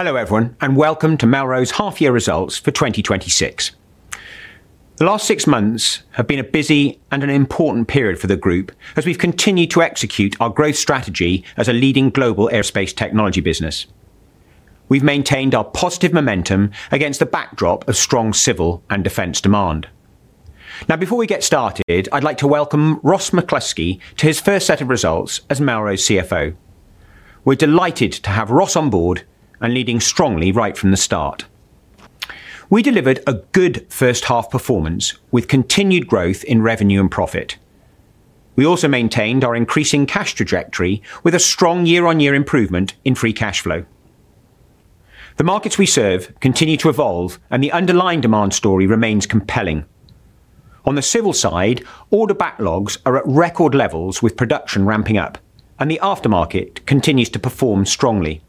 Hello everyone. Welcome to Melrose Half-Year Results for 2026. The last six months have been a busy and an important period for the group as we've continued to execute our growth strategy as a leading global aerospace technology business. We've maintained our positive momentum against the backdrop of strong civil and defense demand. Before we get started, I'd like to welcome Ross McCluskey to his first set of results as Melrose CFO. We're delighted to have Ross on board and leading strongly right from the start. We delivered a good first-half performance with continued growth in revenue and profit. We also maintained our increasing cash trajectory with a strong year-on-year improvement in free cash flow. The markets we serve continue to evolve, and the underlying demand story remains compelling. On the civil side, order backlogs are at record levels with production ramping up and the aftermarket continuing to perform strongly.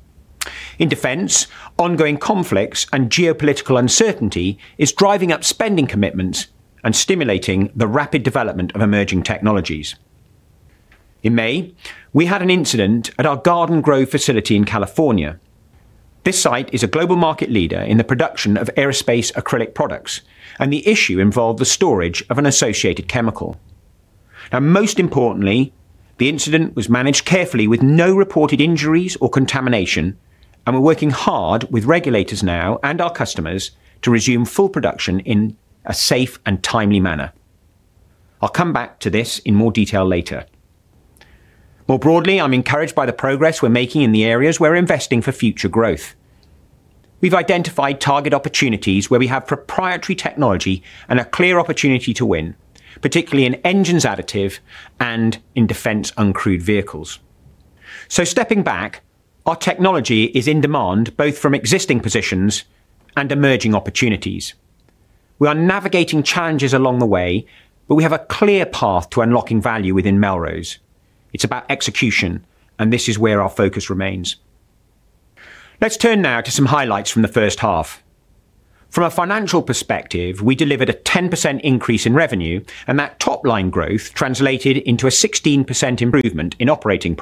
In defense, ongoing conflicts and geopolitical uncertainty are driving up spending commitments and stimulating the rapid development of emerging technologies. In May, we had an incident at our Garden Grove facility in California. This site is a global market leader in the production of aerospace acrylic products, and the issue involved the storage of an associated chemical. Most importantly, the incident was managed carefully with no reported injuries or contamination, and we're working hard with regulators now and our customers to resume full production in a safe and timely manner. I'll come back to this in more detail later. More broadly, I'm encouraged by the progress we're making in the areas we're investing for future growth. We've identified target opportunities where we have proprietary technology and a clear opportunity to win, particularly in engines additive and in defense uncrewed vehicles. Stepping back, our technology is in demand both from existing positions and emerging opportunities. We are navigating challenges along the way, but we have a clear path to unlocking value within Melrose. It's about execution. This is where our focus remains. Let's turn now to some highlights from the first half. From a financial perspective, we delivered a 10% increase in revenue, and that top-line growth translated into a 16% improvement in operating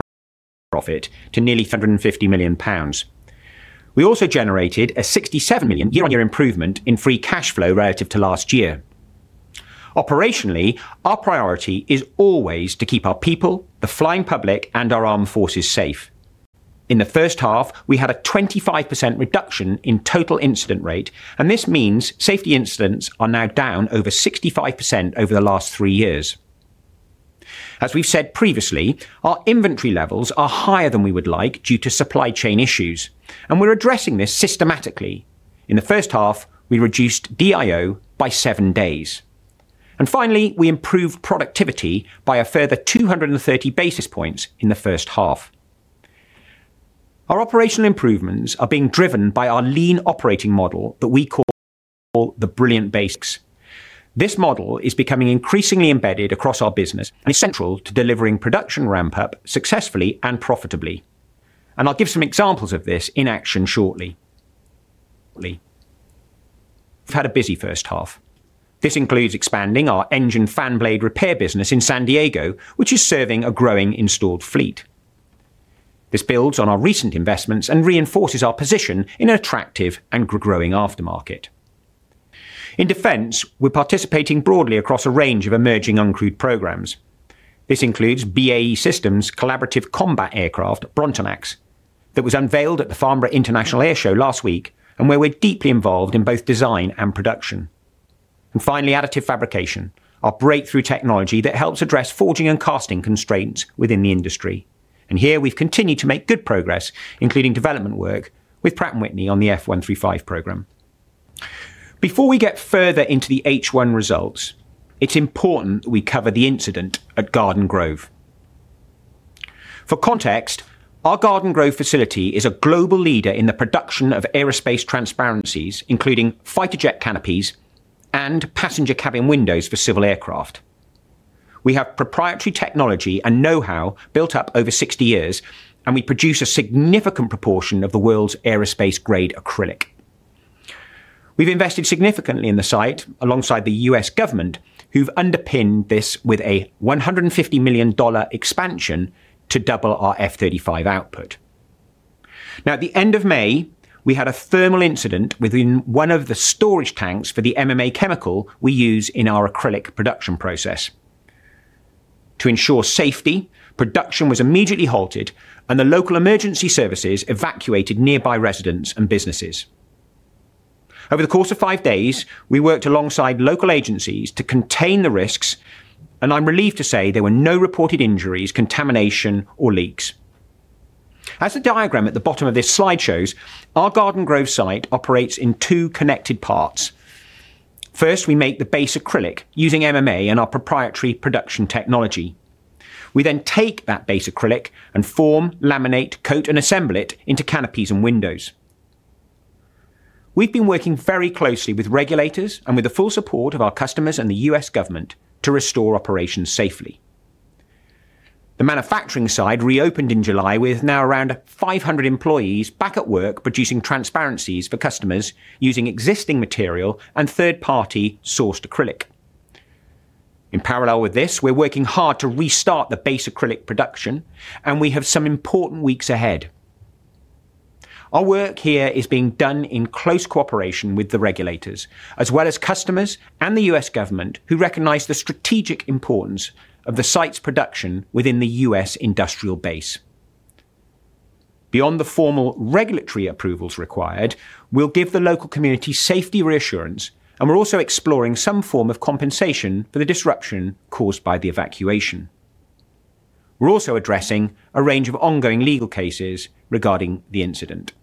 profit to nearly 350 million pounds. We also generated a 67 million year-on-year improvement in free cash flow relative to last year. Operationally, our priority is always to keep our people, the flying public, and our armed forces safe. In the first half, we had a 25% reduction in total incident rate. This means safety incidents are now down over 65% over the last three years. As we've said previously, our inventory levels are higher than we would like due to supply chain issues, and we're addressing this systematically. In the first half, we reduced DIO by seven days. Finally, we improved productivity by a further 230 basis points in the first half. Our operational improvements are being driven by our lean operating model that we call the Brilliant Basics. This model is becoming increasingly embedded across our business and is central to delivering production ramp-up successfully and profitably. I'll give some examples of this in action shortly. We've had a busy first half. This includes expanding our engine fan blade repair business in San Diego, which is serving a growing installed fleet. This builds on our recent investments and reinforces our position in an attractive and growing aftermarket. In defense, we're participating broadly across a range of emerging uncrewed programs. This includes BAE Systems' collaborative combat aircraft, Brontanax, which was unveiled at the Farnborough International Air Show last week and where we're deeply involved in both design and production. Finally, additive fabrication, our breakthrough technology that helps address forging and casting constraints within the industry. Here we've continued to make good progress, including development work with Pratt & Whitney on the F135 program. Before we get further into the H1 results, it's important we cover the incident at Garden Grove. For context, our Garden Grove facility is a global leader in the production of aerospace transparencies, including fighter jet canopies and passenger cabin windows for civil aircraft. We have proprietary technology and know-how built up over 60 years, and we produce a significant proportion of the world's aerospace-grade acrylic. We've invested significantly in the site alongside the U.S. government, who've underpinned this with a $150 million expansion to double our F-35 output. At the end of May, we had a thermal incident within one of the storage tanks for the MMA chemical we use in our acrylic production process. To ensure safety, production was immediately halted, and the local emergency services evacuated nearby residents and businesses. Over the course of five days, we worked alongside local agencies to contain the risks, and I'm relieved to say there were no reported injuries, contamination, or leaks. As the diagram at the bottom of this slide shows, our Garden Grove site operates in two connected parts. First, we make the base acrylic using MMA and our proprietary production technology. We take that base acrylic and form, laminate, coat, and assemble it into canopies and windows. We've been working very closely with regulators and with the full support of our customers and the U.S. government to restore operations safely. The manufacturing side reopened in July, with now around 500 employees back at work producing transparencies for customers using existing material and third-party-sourced acrylic. In parallel with this, we're working hard to restart the base acrylic production, and we have some important weeks ahead. Our work here is being done in close cooperation with the regulators, as well as customers and the U.S. government, who recognize the strategic importance of the site's production within the U.S. industrial base. Beyond the formal regulatory approvals required, we'll give the local community safety reassurance, and we're also exploring some form of compensation for the disruption caused by the evacuation. We're also addressing a range of ongoing legal cases regarding the incident.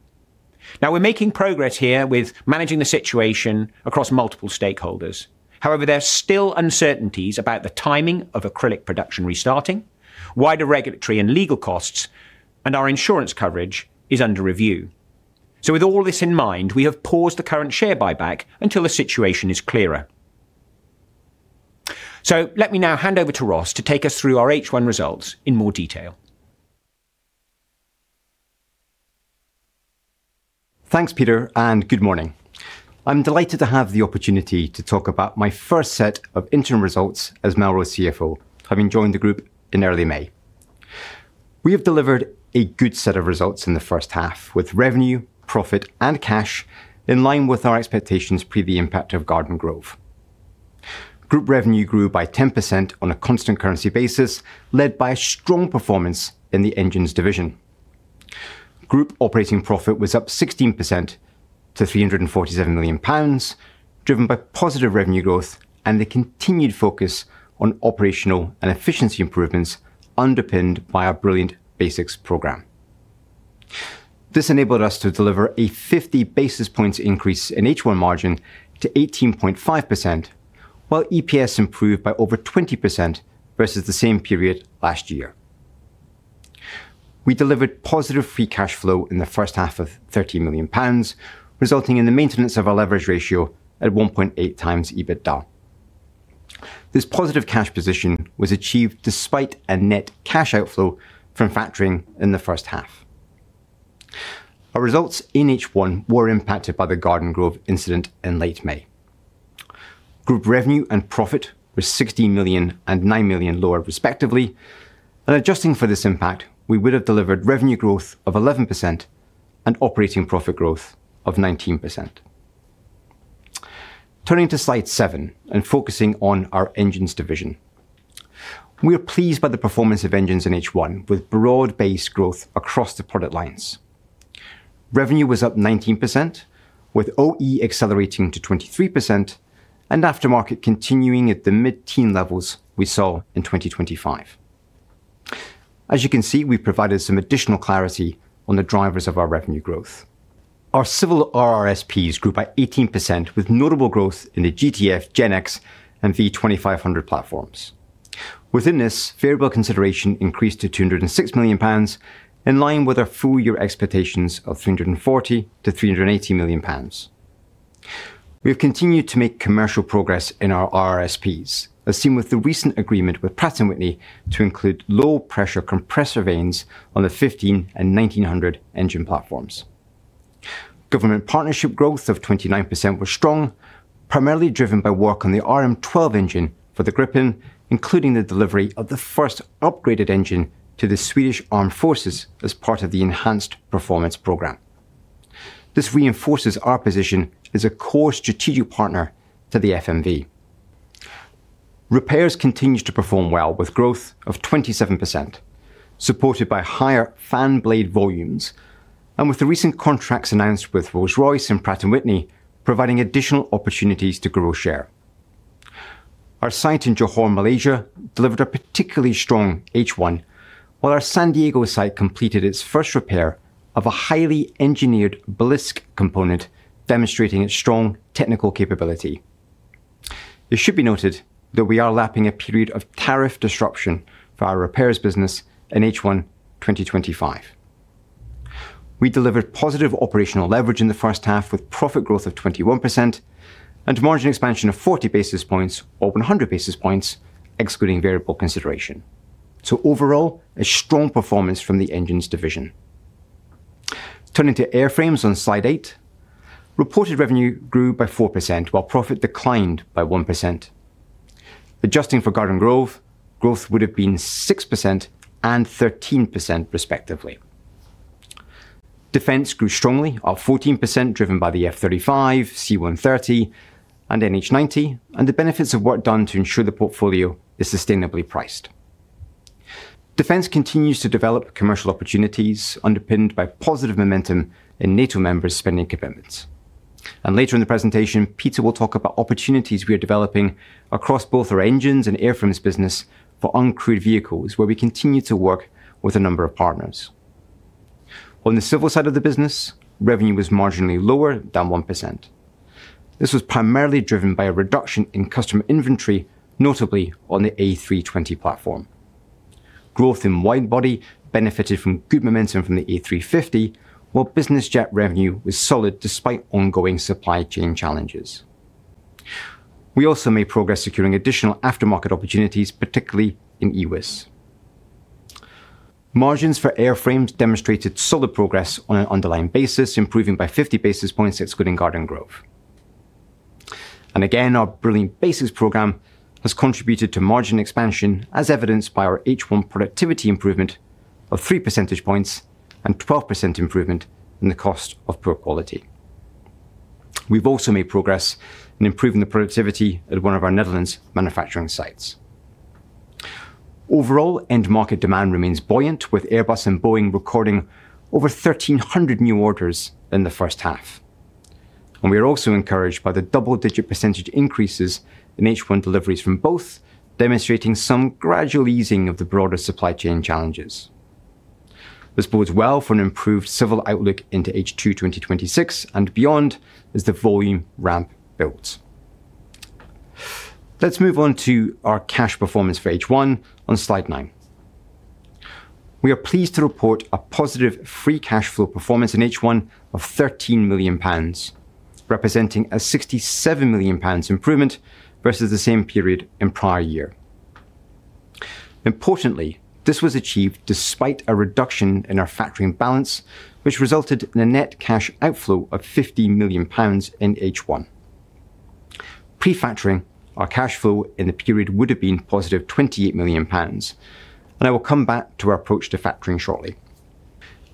We're making progress here with managing the situation across multiple stakeholders. However, there are still uncertainties about the timing of acrylic production restarting, wider regulatory and legal costs, and our insurance coverage is under review. With all this in mind, we have paused the current share buyback until the situation is clearer. Let me now hand over to Ross to take us through our H1 results in more detail. Thanks, Peter, and good morning. I'm delighted to have the opportunity to talk about my first set of interim results as Melrose CFO, having joined the group in early May. We have delivered a good set of results in the first half, with revenue, profit, and cash in line with our expectations pre the impact of Garden Grove. Group revenue grew by 10% on a constant currency basis, led by a strong performance in the Engines division. Group operating profit was up 16% to 347 million pounds, driven by positive revenue growth and the continued focus on operational and efficiency improvements underpinned by our Brilliant Basics program. This enabled us to deliver a 50 basis points increase in H1 margin to 18.5%, while EPS improved by over 20% versus the same period last year. We delivered positive free cash flow in the first half of 30 million pounds, resulting in the maintenance of our leverage ratio at 1.8x EBITDA. This positive cash position was achieved despite a net cash outflow from factoring in the first half. Our results in H1 were impacted by the Garden Grove incident in late May. Group revenue and profit were 16 million and 9 million lower, respectively, and adjusting for this impact, we would have delivered revenue growth of 11% and operating profit growth of 19%. Turning to slide seven and focusing on our Engines division. We are pleased by the performance of Engines in H1, with broad-based growth across the product lines. Revenue was up 19%, with OE accelerating to 23% and aftermarket continuing at the mid-teen levels we saw in 2025. As you can see, we've provided some additional clarity on the drivers of our revenue growth. Our civil RRSPs grew by 18%, with notable growth in the GTF, GEnx, and V2500 platforms. Within this, variable consideration increased to 206 million pounds, in line with our full-year expectations of 340 million-380 million pounds. We have continued to make commercial progress in our RRSPs, as seen with the recent agreement with Pratt & Whitney to include low-pressure compressor vanes on the 15 and 1900 engine platforms. Government partnership growth of 29% was strong, primarily driven by work on the RM12 engine for the Gripen, including the delivery of the first upgraded engine to the Swedish Armed Forces as part of the enhanced performance program. This reinforces our position as a core strategic partner to the FMV. Repairs continued to perform well with growth of 27%, supported by higher fan blade volumes and with the recent contracts announced with Rolls-Royce and Pratt & Whitney providing additional opportunities to grow share. Our site in Johor, Malaysia, delivered a particularly strong H1, while our San Diego site completed its first repair of a highly engineered blisk component, demonstrating its strong technical capability. It should be noted that we are lapping a period of tariff disruption for our repairs business in H1 2025. We delivered positive operational leverage in the first half with profit growth of 21% and margin expansion of 40 basis points, or 100 basis points, excluding variable consideration. Overall, a strong performance from the Engines division. Turning to Airframes on Slide eight, reported revenue grew by 4%, while profit declined by 1%. Adjusting for Garden Grove, growth would have been 6% and 13%, respectively. Defense grew strongly, up 14%, driven by the F-35, C-130, and NH90 and the benefits of work done to ensure the portfolio is sustainably priced. Defense continues to develop commercial opportunities underpinned by positive momentum in NATO members' spending commitments. Later in the presentation, Peter will talk about opportunities we are developing across both our Engines and Airframes business for uncrewed vehicles, where we continue to work with a number of partners. On the civil side of the business, revenue was marginally lower than 1%. This was primarily driven by a reduction in customer inventory, notably on the A320 platform. Growth in wide-body benefited from good momentum from the A350, while business jet revenue was solid despite ongoing supply chain challenges. We also made progress securing additional aftermarket opportunities, particularly in EWIS. Margins for Airframes demonstrated solid progress on an underlying basis, improving by 50 basis points, excluding Garden Grove. Again, our Brilliant Basics program has contributed to margin expansion, as evidenced by our H1 productivity improvement of 3 percentage points and a 12% improvement in the cost of poor quality. We've also made progress in improving the productivity at one of our Netherlands manufacturing sites. Overall, end market demand remains buoyant, with Airbus and Boeing recording over 1,300 new orders in the first half. We are also encouraged by the double-digit percentage increases in H1 deliveries from both, demonstrating some gradual easing of the broader supply chain challenges. This bodes well for an improved civil outlook into H2 2026 and beyond, as the volume ramp builds. Let's move on to our cash performance for H1 on slide nine. We are pleased to report a positive free cash flow performance in H1 of 13 million pounds, representing a 67 million pounds improvement versus the same period in prior year. Importantly, this was achieved despite a reduction in our factoring balance, which resulted in a net cash outflow of 50 million pounds in H1. Pre-factoring, our cash flow in the period would have been positive 28 million pounds. I will come back to our approach to factoring shortly.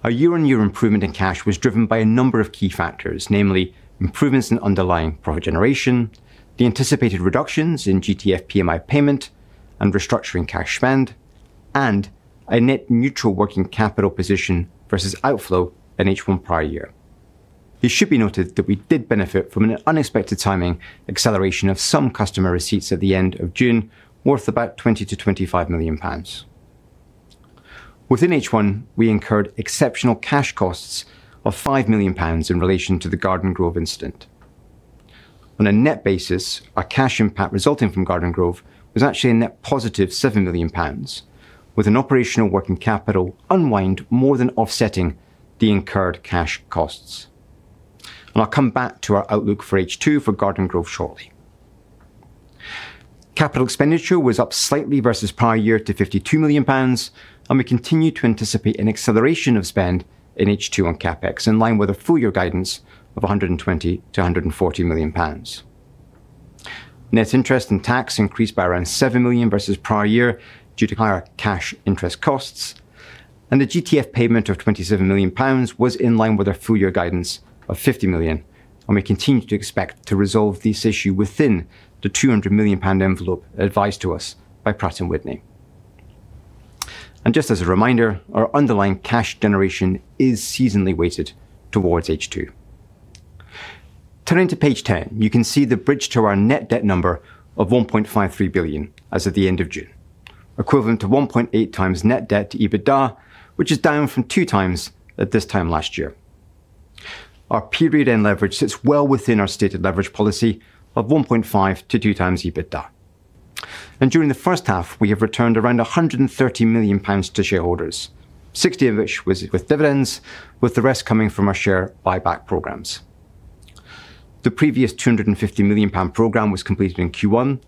Our year-on-year improvement in cash was driven by a number of key factors, namely improvements in underlying profit generation, the anticipated reductions in GTF PMI payment and restructuring cash spend, and a net neutral working capital position versus outflow in H1 prior year. It should be noted that we did benefit from an unexpected timing acceleration of some customer receipts at the end of June, worth about 20 million-25 million pounds. Within H1, we incurred exceptional cash costs of 5 million pounds in relation to the Garden Grove incident. On a net basis, our cash impact resulting from Garden Grove was actually a net positive 7 million pounds, with an operational working capital unwind more than offsetting the incurred cash costs. I'll come back to our outlook for H2 for Garden Grove shortly. Capital expenditure was up slightly versus prior year to 52 million pounds. We continue to anticipate an acceleration of spend in H2 on CapEx, in line with our full-year guidance of 120 million-140 million pounds. Net interest and tax increased by around 7 million versus prior year due to higher cash interest costs. The GTF payment of 27 million pounds was in line with our full-year guidance of 50 million. We continue to expect to resolve this issue within the 200 million pound envelope advised to us by Pratt & Whitney. Just as a reminder, our underlying cash generation is seasonally weighted towards H2. Turning to page 10, you can see the bridge to our net debt number of 1.53 billion as of the end of June, equivalent to 1.8x net debt to EBITDA, which is down from 2x at this time last year. Our period-end leverage sits well within our stated leverage policy of 1.5x to 2x EBITDA. During the first half, we have returned around 130 million pounds to shareholders, 60 million of which was with dividends, with the rest coming from our share buyback programs. The previous 250 million pound program was completed in Q1,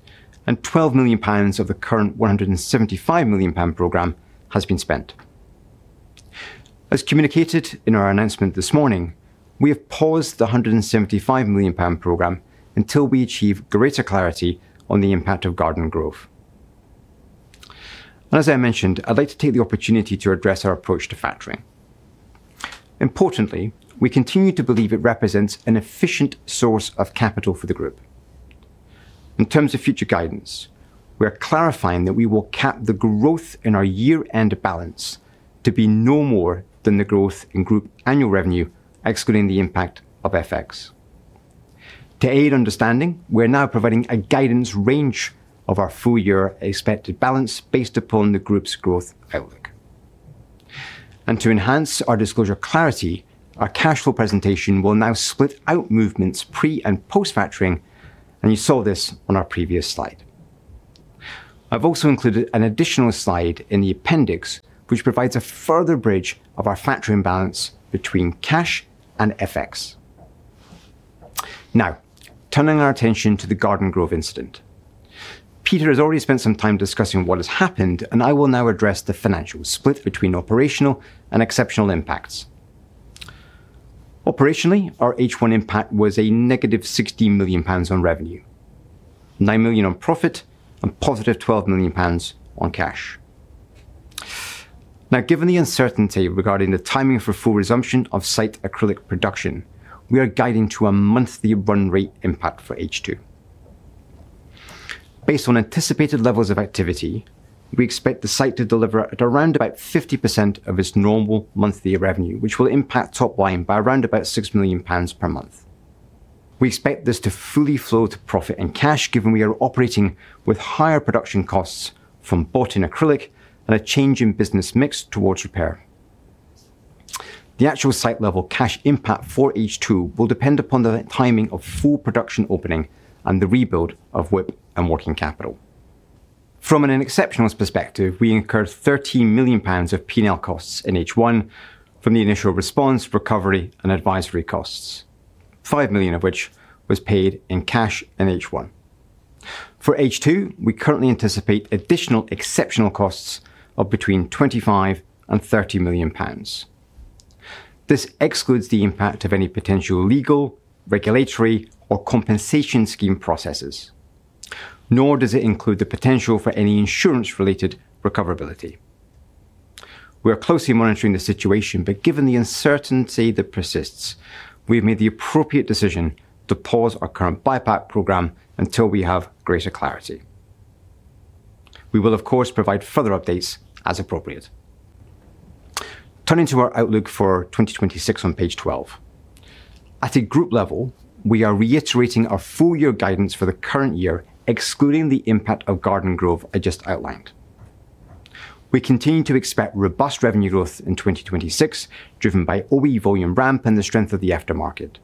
and 12 million pounds of the current 175 million pound program has been spent. As communicated in our announcement this morning, we have paused the 175 million pound program until we achieve greater clarity on the impact of Garden Grove. As I mentioned, I'd like to take the opportunity to address our approach to factoring. Importantly, we continue to believe it represents an efficient source of capital for the group. In terms of future guidance, we are clarifying that we will cap the growth in our year-end balance to be no more than the growth in group annual revenue, excluding the impact of FX. To aid understanding, we are now providing a guidance range of our full-year expected balance based upon the group's growth outlook. To enhance our disclosure clarity, our cash flow presentation will now split out movements pre- and post-factoring, and you saw this on our previous slide. I've also included an additional slide in the appendix, which provides a further bridge of our factoring balance between cash and FX. Now, turning our attention to the Garden Grove incident. Peter has already spent some time discussing what has happened; I will now address the financial split between operational and exceptional impacts. Operationally, our H1 impact was a negative 16 million pounds on revenue, 9 million on profit, and positive 12 million pounds on cash. Given the uncertainty regarding the timing for full resumption of site acrylic production, we are guiding to a monthly run rate impact for H2. Based on anticipated levels of activity, we expect the site to deliver at around about 50% of its normal monthly revenue, which will impact the top line by around about 6 million pounds per month. We expect this to fully flow to profit and cash, given we are operating with higher production costs from bought-in acrylic and a change in business mix towards repair. The actual site-level cash impact for H2 will depend upon the timing of full production opening and the rebuild of WIP and working capital. From an exceptional perspective, we incurred 13 million pounds of P&L costs in H1 from the initial response, recovery, and advisory costs, 5 million of which was paid in cash in H1. For H2, we currently anticipate additional exceptional costs of between 25 million-30 million pounds. This excludes the impact of any potential legal, regulatory, or compensation scheme processes, nor does it include the potential for any insurance-related recoverability. Given the uncertainty that persists, we have made the appropriate decision to pause our current buyback program until we have greater clarity. We will, of course, provide further updates as appropriate. Turning to our outlook for 2026 on page 12. At a group level, we are reiterating our full-year guidance for the current year, excluding the impact of Garden Grove I just outlined. We continue to expect robust revenue growth in 2026, driven by OE volume ramp and the strength of the aftermarket.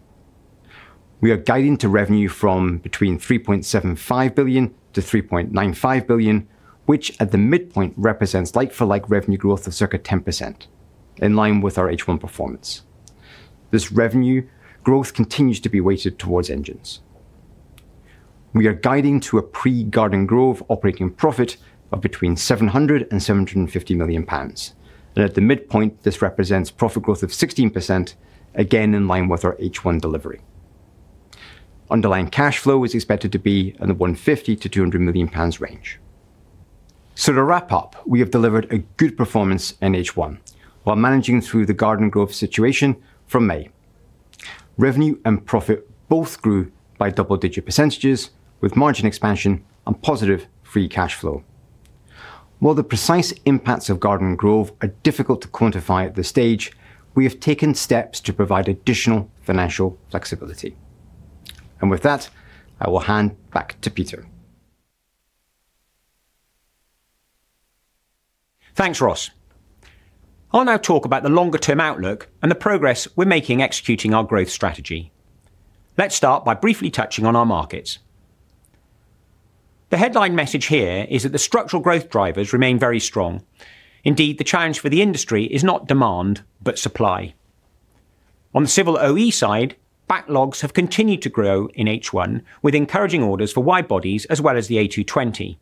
We are guiding to revenue from between 3.75 billion-3.95 billion, which at the midpoint represents like-for- like revenue growth of circa 10%, in line with our H1 performance. This revenue growth continues to be weighted towards engines. We are guiding to a pre-Garden Grove operating profit of between 700 million pounds and 750 million pounds, and at the midpoint, this represents profit growth of 16%, again in line with our H1 delivery. Underlying cash flow is expected to be in the 150 million-200 million pounds range. To wrap up, we have delivered a good performance in H1 while managing the Garden Grove situation from May. Revenue and profit both grew by double-digit percentages, with margin expansion and positive free cash flow. While the precise impacts of Garden Grove are difficult to quantify at this stage, we have taken steps to provide additional financial flexibility. With that, I will hand it back to Peter. Thanks, Ross. I'll now talk about the longer-term outlook and the progress we're making executing our growth strategy. Let's start by briefly touching on our markets. The headline message here is that the structural growth drivers remain very strong. Indeed, the challenge for the industry is not demand, but supply. On the civil OE side, backlogs have continued to grow in H1, with encouraging orders for wide bodies as well as the A220.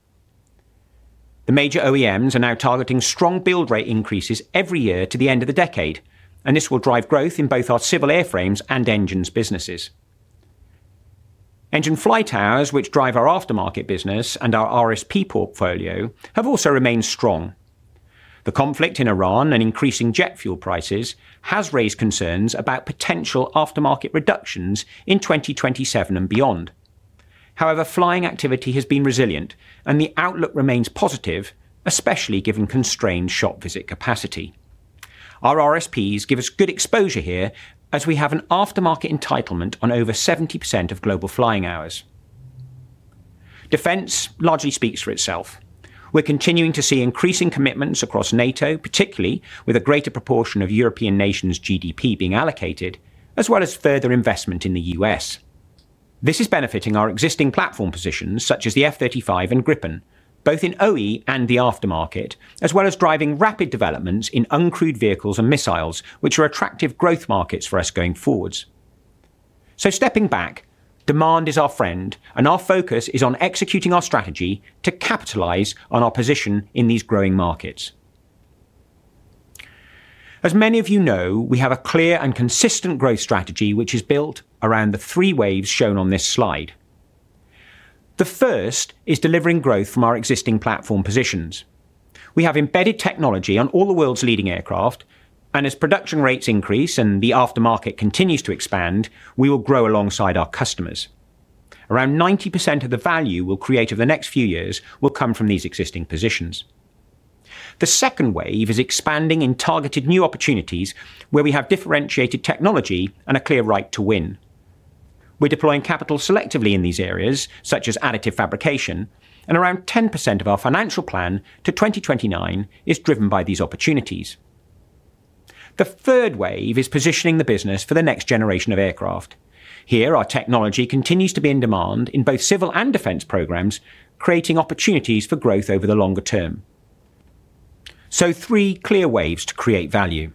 The major OEMs are now targeting strong build rate increases every year to the end of the decade, and this will drive growth in both our civil airframes and engines businesses. Engine flight hours, which drive our aftermarket business and our RSP portfolio, have also remained strong. The conflict in Iran and increasing jet fuel prices have raised concerns about potential aftermarket reductions in 2027 and beyond. However, flying activity has been resilient, and the outlook remains positive, especially given constrained shop visit capacity. Our RSPs give us good exposure here, as we have an aftermarket entitlement on over 70% of global flying hours. Defense largely speaks for itself. We're continuing to see increasing commitments across NATO, particularly with a greater proportion of European nations' GDP being allocated, as well as further investment in the U.S. This is benefiting our existing platform positions, such as the F-35 and Gripen, both in OE and the aftermarket, as well as driving rapid developments in uncrewed vehicles and missiles, which are attractive growth markets for us going forwards. Stepping back, demand is our friend, and our focus is on executing our strategy to capitalize on our position in these growing markets. As many of you know, we have a clear and consistent growth strategy, which is built around the three waves shown on this slide. The first is delivering growth from our existing platform positions. We have embedded technology on all the world's leading aircraft, and as production rates increase and the aftermarket continues to expand, we will grow alongside our customers. Around 90% of the value we'll create over the next few years will come from these existing positions. The second wave is expanding in targeted new opportunities where we have differentiated technology and a clear right to win. We're deploying capital selectively in these areas, such as additive fabrication, and around 10% of our financial plan to 2029 is driven by these opportunities. The third wave is positioning the business for the next generation of aircraft. Here, our technology continues to be in demand in both civil and defense programs, creating opportunities for growth over the longer term. Three clear waves to create value.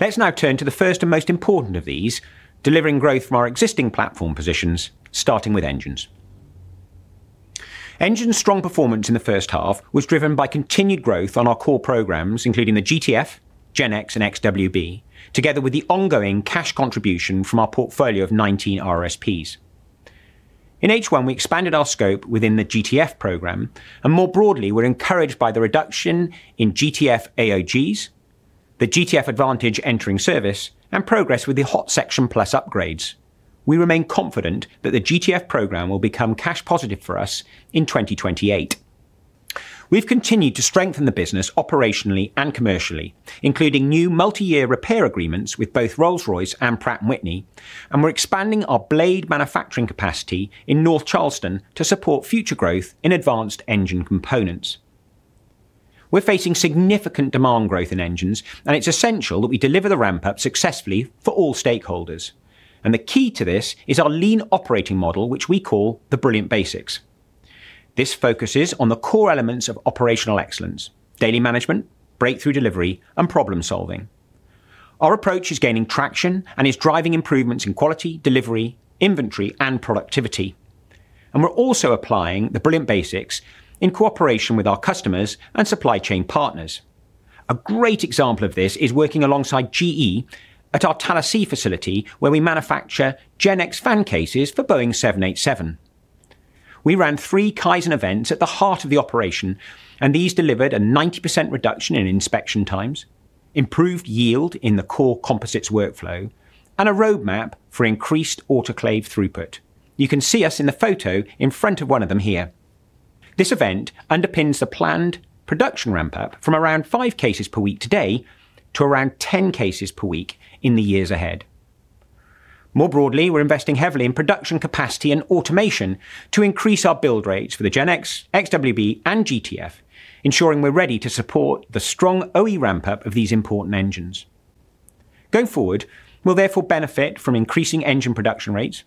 Let's now turn to the first and most important of these, delivering growth from our existing platform positions, starting with Engines. Engines' strong performance in the first half was driven by continued growth on our core programs, including the GTF, GEnx, and XWB, together with the ongoing cash contribution from our portfolio of 19 RSPs. In H1, we expanded our scope within the GTF program, and more broadly, we're encouraged by the reduction in GTF AOGs, the GTF Advantage entering service, and progress with the Hot Section Plus upgrades. We remain confident that the GTF program will become cash-positive for us in 2028. We've continued to strengthen the business operationally and commercially, including new multi-year repair agreements with both Rolls-Royce and Pratt & Whitney, and we're expanding our blade manufacturing capacity in North Charleston to support future growth in advanced engine components. We're facing significant demand growth in engines, and it's essential that we deliver the ramp-up successfully for all stakeholders. The key to this is our lean operating model, which we call the Brilliant Basics. This focuses on the core elements of operational excellence, daily management, breakthrough delivery, and problem-solving. Our approach is gaining traction and is driving improvements in quality, delivery, inventory, and productivity. We're also applying the Brilliant Basics in cooperation with our customers and supply chain partners. A great example of this is working alongside GE at our Tallassee facility, where we manufacture GEnx fan cases for Boeing 787. We ran three Kaizen events at the heart of the operation, and these delivered a 90% reduction in inspection times, improved yield in the core composites workflow, and a roadmap for increased autoclave throughput. You can see us in the photo in front of one of them here. This event underpins the planned production ramp-up from around five cases per week today to around 10 cases per week in the years ahead. More broadly, we're investing heavily in production capacity and automation to increase our build rates for the GEnx, XWB, and GTF, ensuring we're ready to support the strong OE ramp-up of these important engines. Going forward, we'll therefore benefit from increasing engine production rates,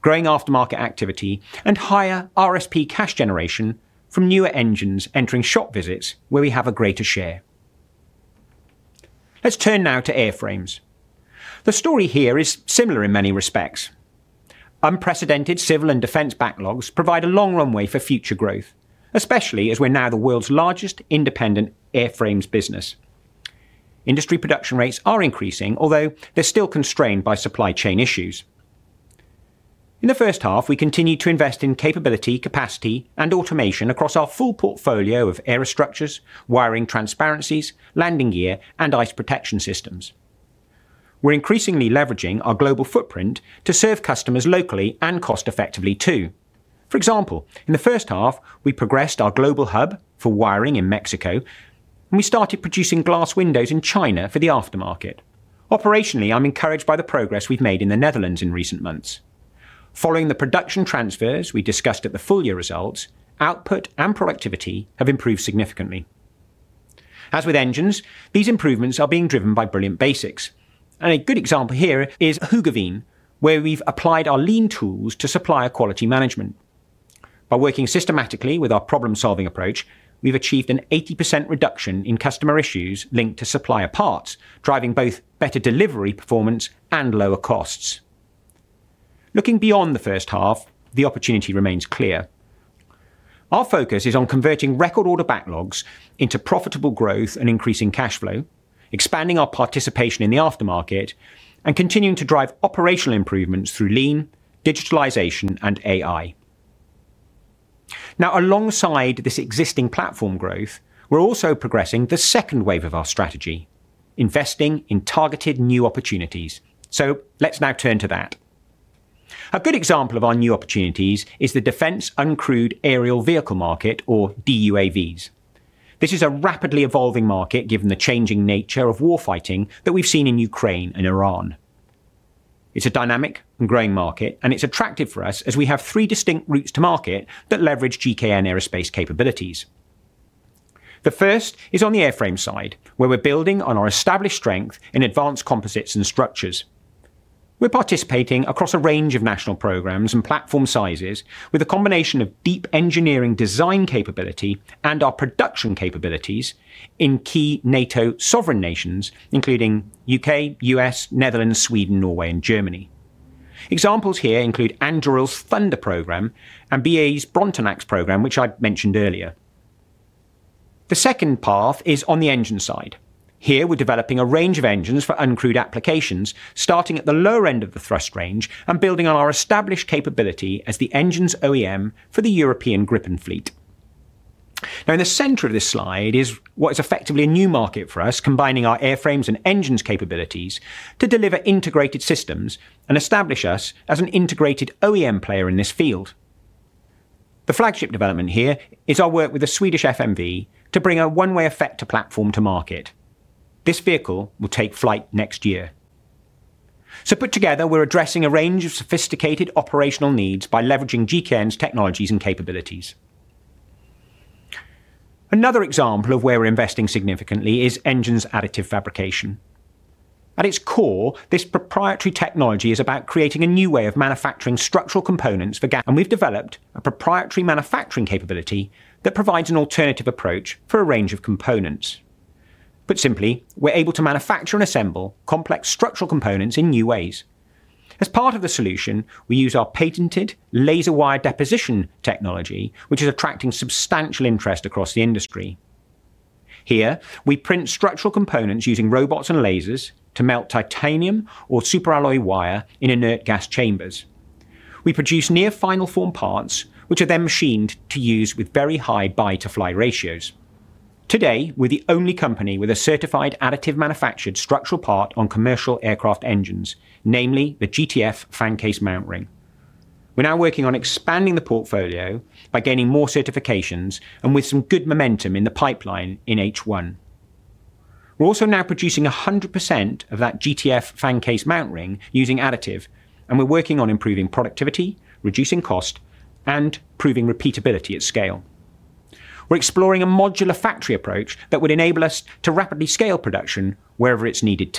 growing aftermarket activity, and higher RSP cash generation from newer engines entering shop visits where we have a greater share. Let's turn now to airframes. The story here is similar in many respects. Unprecedented civil and defense backlogs provide a long runway for future growth, especially as we're now the world's largest independent airframes business. Industry production rates are increasing, although they're still constrained by supply chain issues. In the first half, we continued to invest in capability, capacity, and automation across our full portfolio of aerostructures, wiring transparencies, landing gear, and ice protection systems. We're increasingly leveraging our global footprint to serve customers locally and cost-effectively too. For example, in the first half, we progressed our global hub for wiring in Mexico, and we started producing glass windows in China for the aftermarket. Operationally, I'm encouraged by the progress we've made in the Netherlands in recent months. Following the production transfers we discussed at the full-year results, output and productivity have improved significantly. As with Engines, these improvements are being driven by Brilliant Basics, and a good example here is Hoogeveen, where we've applied our lean tools to supplier quality management. By working systematically with our problem-solving approach, we've achieved an 80% reduction in customer issues linked to supplier parts, driving both better delivery performance and lower costs. Looking beyond the first half, the opportunity remains clear. Our focus is on converting record order backlogs into profitable growth and increasing cash flow, expanding our participation in the aftermarket, and continuing to drive operational improvements through lean, digitalization, and AI. Alongside this existing platform growth, we're also progressing the second wave of our strategy: investing in targeted new opportunities. Let's now turn to that. A good example of our new opportunities is the Defensive Unmanned Aerial Vehicles market, or DUAVs. This is a rapidly evolving market given the changing nature of warfighting that we've seen in Ukraine and Iran. It's a dynamic and growing market, and it's attractive for us as we have three distinct routes to market that leverage GKN Aerospace capabilities. The first is on the airframe's side, where we're building on our established strength in advanced composites and structures. We're participating across a range of national programs and platform sizes with a combination of deep engineering design capability and our production capabilities in key NATO sovereign nations, including the U.K., the U.S., the Netherlands, Sweden, Norway, and Germany. Examples here include Anduril's Thunder program and BAE's Brontanax program, which I mentioned earlier. The second path is on the engines' side. Here, we're developing a range of engines for uncrewed applications, starting at the lower end of the thrust range and building on our established capability as the engine OEM for the European Gripen fleet. In the center of this slide is what is effectively a new market for us, combining our airframe and engine capabilities to deliver integrated systems and establish us as an integrated OEM player in this field. The flagship development here is our work with the Swedish FMV to bring a one-way effector platform to market. This vehicle will take flight next year. Put together, we're addressing a range of sophisticated operational needs by leveraging GKN's technologies and capabilities. Another example of where we're investing significantly is Engine's additive fabrication. At its core, this proprietary technology is about creating a new way of manufacturing structural components, and we've developed a proprietary manufacturing capability that provides an alternative approach for a range of components. Put simply, we're able to manufacture and assemble complex structural components in new ways. As part of the solution, we use our patented laser wire deposition technology, which is attracting substantial interest across the industry. Here, we print structural components using robots and lasers to melt titanium or superalloy wire in inert gas chambers. We produce near-final- form parts, which are then machined to use with very high buy-to-fly ratios. Today, we're the only company with a certified additive-manufactured structural part on commercial aircraft engines, namely the GTF fan case mount ring. We're now working on expanding the portfolio by gaining more certifications and with some good momentum in the pipeline in H1. We're also now producing 100% of that GTF fan case mount ring using additive, and we're working on improving productivity, reducing cost, and proving repeatability at scale. We're exploring a modular factory approach that would enable us to rapidly scale production wherever it's needed.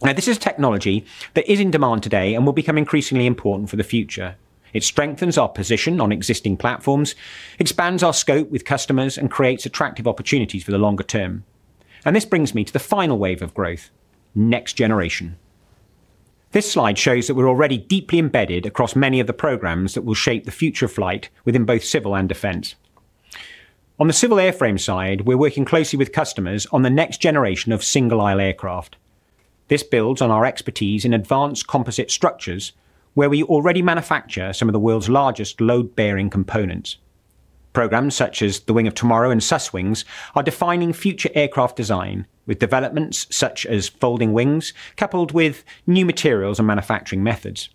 This is technology that is in demand today and will become increasingly important for the future. It strengthens our position on existing platforms, expands our scope with customers, and creates attractive opportunities for the longer term. This brings me to the final wave of growth, the next generation. This slide shows that we're already deeply embedded across many of the programs that will shape the future of flight within both civil and defense. On the civil airframes side, we're working closely with customers on the next generation of single-aisle aircraft. This builds on our expertise in advanced composite structures, where we already manufacture some of the world's largest load-bearing components. Programs such as the Wing of Tomorrow and SusWingS are defining future aircraft design with developments such as folding wings, coupled with new materials and manufacturing methods.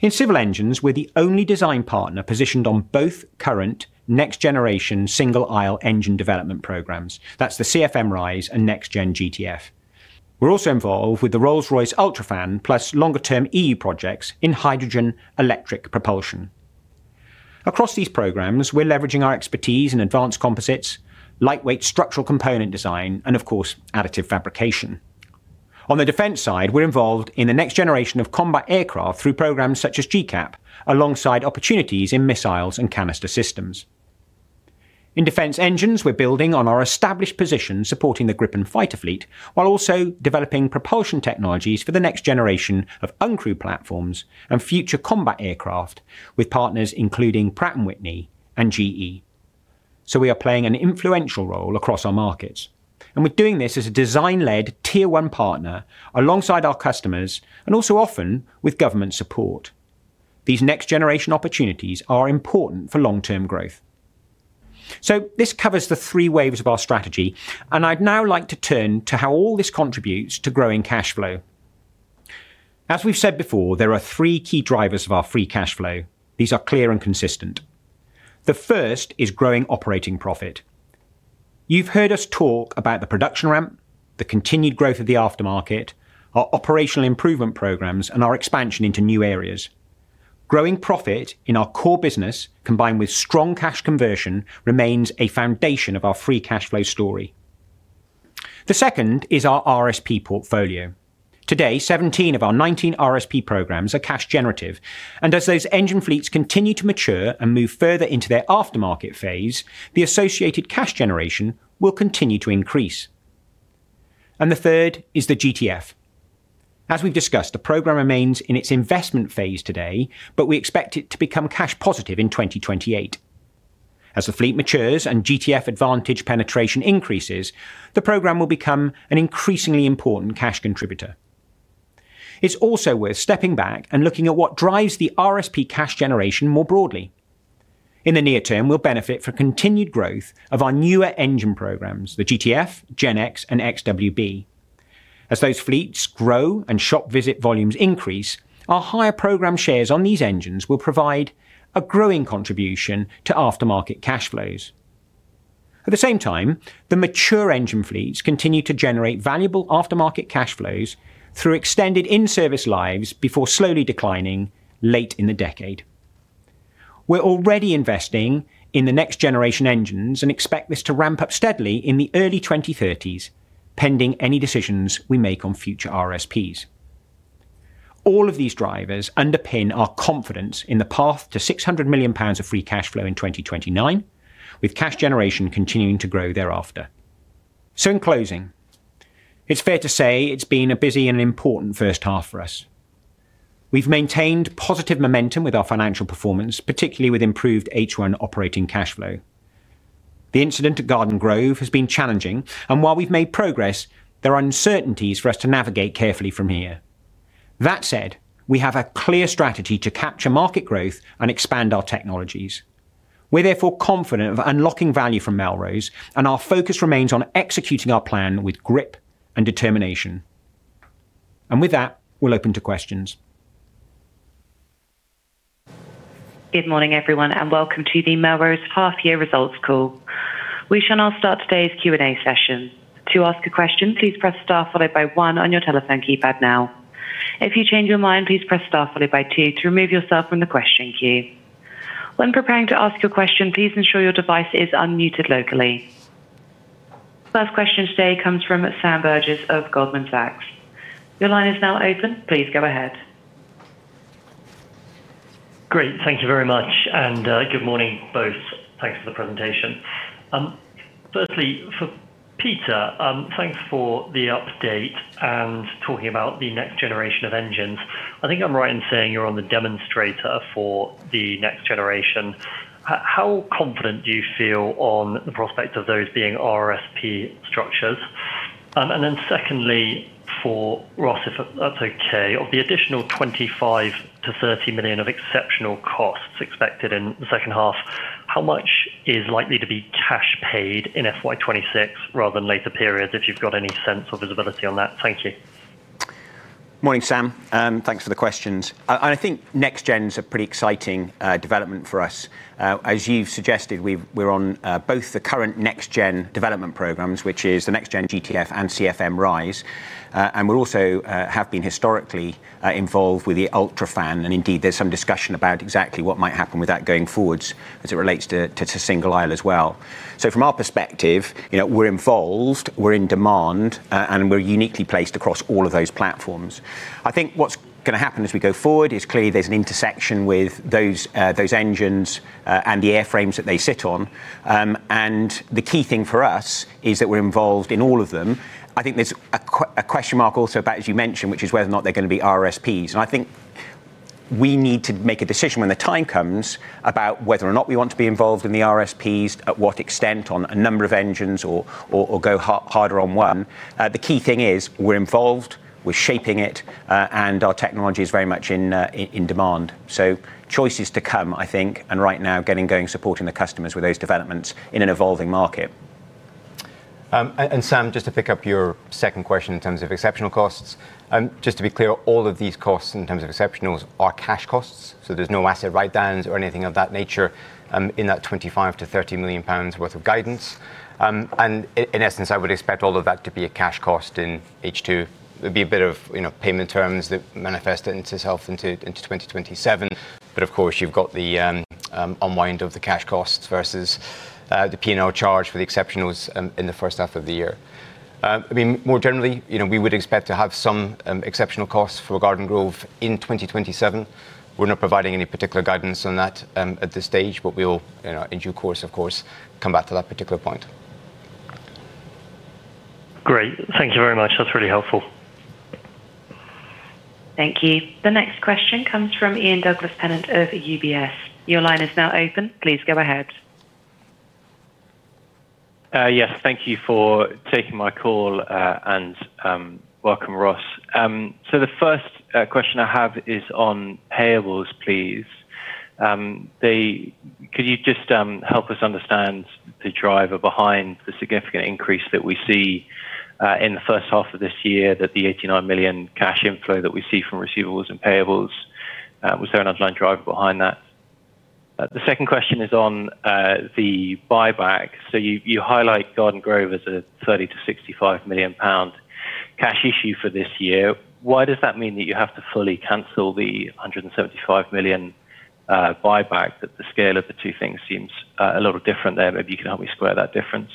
In civil engines, we're the only design partner positioned on both current and next-generation single-aisle engine development programs. That's the CFM RISE and Next-Gen GTF. We're also involved with the Rolls-Royce UltraFan, plus longer-term EU projects in hydrogen electric propulsion. Across these programs, we're leveraging our expertise in advanced composites, lightweight structural component design, and, of course, additive fabrication. On the defense side, we're involved in the next generation of combat aircraft through programs such as GCAP, alongside opportunities in missiles and canister systems. In defense engines, we're building on our established position supporting the Gripen fighter fleet while also developing propulsion technologies for the next generation of uncrewed platforms and future combat aircraft with partners including Pratt & Whitney and GE. We are playing an influential role across our markets, and we're doing this as a design-led tier one partner alongside our customers and also often with government support. These next-generation opportunities are important for long-term growth. This covers the three waves of our strategy, and I'd now like to turn to how all this contributes to growing cash flow. As we've said before, there are three key drivers of our free cash flow. These are clear and consistent. The first is growing operating profit. You've heard us talk about the production ramp, the continued growth of the aftermarket, our operational improvement programs, and our expansion into new areas. Growing profit in our core business, combined with strong cash conversion, remains a foundation of our free cash flow story. The second is our RSP portfolio. Today, 17 of our 19 RSP programs are cash generative, and as those engine fleets continue to mature and move further into their aftermarket phase, the associated cash generation will continue to increase. The third is the GTF. As we've discussed, the program remains in its investment phase today, but we expect it to become cash-positive in 2028. As the fleet matures and GTF Advantage penetration increases, the program will become an increasingly important cash contributor. It's also worth stepping back and looking at what drives the RSP cash generation more broadly. In the near term, we'll benefit from continued growth of our newer engine programs, the GTF, GEnx, and Trent XWB. As those fleets grow and shop visit volumes increase, our higher program shares on these engines will provide a growing contribution to aftermarket cash flows. At the same time, the mature engine fleets continue to generate valuable aftermarket cash flows through extended in-service lives before slowly declining late in the decade. We're already investing in the next-generation engines and expect this to ramp up steadily in the early 2030s, pending any decisions we make on future RSPs. All of these drivers underpin our confidence in the path to 600 million pounds of free cash flow in 2029, with cash generation continuing to grow thereafter. In closing, it's fair to say it's been a busy and important first half for us. We've maintained positive momentum with our financial performance, particularly with improved H1 operating cash flow. The incident at Garden Grove has been challenging, and while we've made progress, there are uncertainties for us to navigate carefully from here. That said, we have a clear strategy to capture market growth and expand our technologies. We're therefore confident of unlocking value from Melrose, and our focus remains on executing our plan with grip and determination. With that, we'll open to questions. Good morning, everyone, and welcome to the Melrose half-year results call. We shall now start today's Q&A session. To ask a question, please press the star followed by one on your telephone keypad now. If you change your mind, please press the star followed by two to remove yourself from the question queue. When preparing to ask your question, please ensure your device is unmuted locally. The first question today comes from Sam Burgess of Goldman Sachs. Your line is now open. Please go ahead. Great. Thank you very much, and good morning, both. Thanks for the presentation. Firstly, for Peter, thanks for the update and talking about the next generation of engines. I think I'm right in saying you're on the demonstrator for the next generation. How confident do you feel on the prospect of those being RSP structures? Secondly, for Ross, if that's okay, of the additional 25 million-30 million of exceptional costs expected in the second half, how much is likely to be cash paid in FY 2026 rather than later periods, if you've got any sense or visibility on that? Thank you. Morning, Sam. Thanks for the questions. I think Next-Gen's a pretty exciting development for us. As you've suggested, we're on both the current Next-Gen development programs, which is the next-gen GTF and CFM RISE, and we also have been historically involved with the UltraFan, and indeed there's some discussion about exactly what might happen with that going forwards as it relates to single-aisle as well. From our perspective, we're involved, we're in demand, and we're uniquely placed across all of those platforms. I think what's going to happen as we go forward is clearly there's an intersection with those engines and the airframes that they sit on. The key thing for us is that we're involved in all of them. I think there's a question mark also about, as you mentioned, which is whether or not they're going to be RSPs. I think we need to make a decision when the time comes about whether or not we want to be involved in the RSPs, at what extent on a number of engines, or go harder on one. The key thing is we're involved, we're shaping it, and our technology is very much in demand. Choices to come, I think, and right now getting going, supporting the customers with those developments in an evolving market. Sam, just to pick up your second question in terms of exceptional costs. Just to be clear, all of these costs in terms of exceptionals are cash costs, so there's no asset write-downs or anything of that nature in that 25 million-30 million pounds worth of guidance. In essence, I would expect all of that to be a cash cost in H2. There'd be a bit of payment terms that manifest itself into 2027. Of course, you've got the unwind of the cash costs versus the P&L charge for the exceptionals in the first half of the year. More generally, we would expect to have some exceptional costs for Garden Grove in 2027. We're not providing any particular guidance on that at this stage, but we will, in due course, of course, come back to that particular point. Great. Thank you very much. That's really helpful. Thank you. The next question comes from Ian Douglas-Pennant of UBS. Your line is now open. Please go ahead. Yes, thank you for taking my call. Welcome, Ross. The first question I have is on payables, please. Could you just help us understand the driver behind the significant increase that we see in the first half of this year, the 89 million cash inflow that we see from receivables and payables? Was there an underlying driver behind that? The second question is on the buyback. You highlight Garden Grove as a 30 million-65 million pound cash issue for this year. Why does that mean that you have to fully cancel the 175 million buyback, that the scale of the two things seems a little different there? Maybe you can help me square that difference.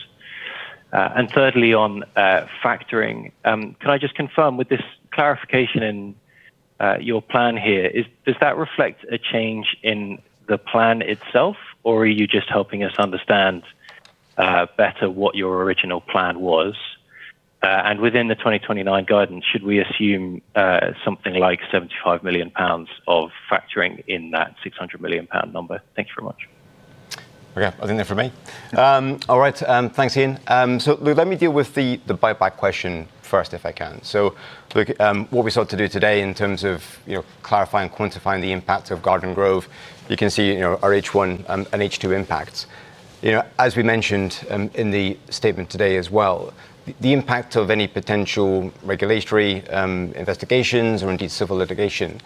Thirdly, on factoring. Can I just confirm with this clarification in your plan here: does that reflect a change in the plan itself, or are you just helping us understand better what your original plan was? Within the 2029 guidance, should we assume something like 75 million pounds of factoring in that 600 million pound number? Thank you very much. Okay. Are they in there for me? All right, thanks, Ian. Let me deal with the buyback question first if I can. Look, what we sought to do today in terms of clarifying, quantifying the impact of Garden Grove, you can see our H1 and H2 impacts. As we mentioned in the statement today as well, the impact of any potential regulatory investigations or indeed civil litigation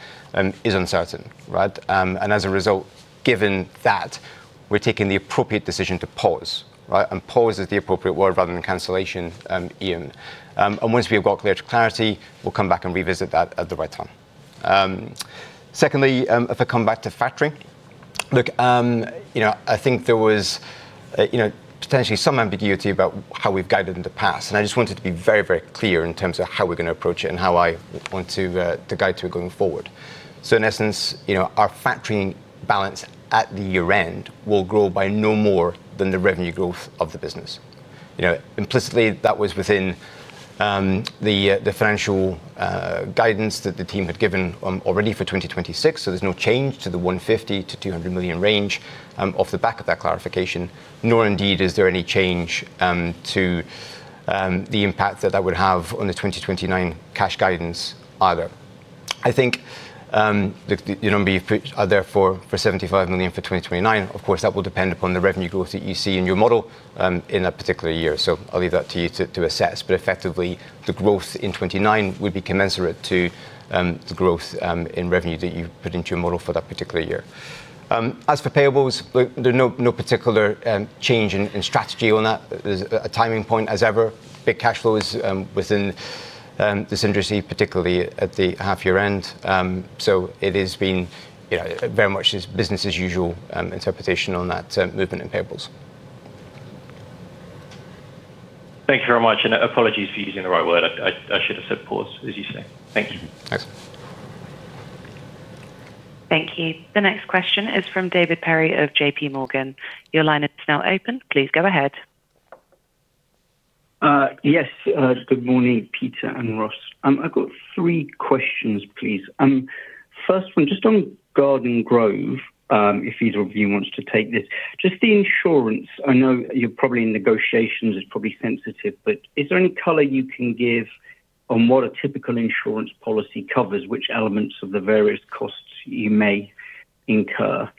is uncertain, right? As a result, given that, we're taking the appropriate decision to pause, right? Pause is the appropriate word rather than cancellation, Ian. Once we have got clarity, we'll come back and revisit that at the right time. Secondly, if I come back to factoring. Look, I think there was potentially some ambiguity about how we've guided in the past, and I just wanted to be very clear in terms of how we're going to approach it and how I want to guide through it going forward. In essence, our factoring balance at the year-end will grow by no more than the revenue growth of the business. Implicitly, that was within the financial guidance that the team had given already for 2026. There's no change to the 150 million-200 million range off the back of that clarification, nor indeed is there any change to the impact that that would have on the 2029 cash guidance either. I think, therefore, for 75 million for 2029, of course, that will depend upon the revenue growth that you see in your model in that particular year. I'll leave that to you to assess. Effectively, the growth in 2029 would be commensurate to the growth in revenue that you put into your model for that particular year. As for payables, there's no particular change in strategy on that. There's a timing point as ever. Big cash flow is within this industry, particularly at the half-year end. It has been very much business as usual interpretation on that movement in payables. Thank you very much; apologies for using the right word. I should have said pause, as you say. Thank you. Thanks. Thank you. The next question is from David Perry of JPMorgan. Your line is now open. Please go ahead. Yes. Good morning, Peter and Ross. I've got three questions, please. First one, just on Garden Grove, if either of you wants to take this. Just the insurance. I know you're probably in negotiations; it's probably sensitive, but is there any color you can give on what a typical insurance policy covers, which elements of the various costs you may incur?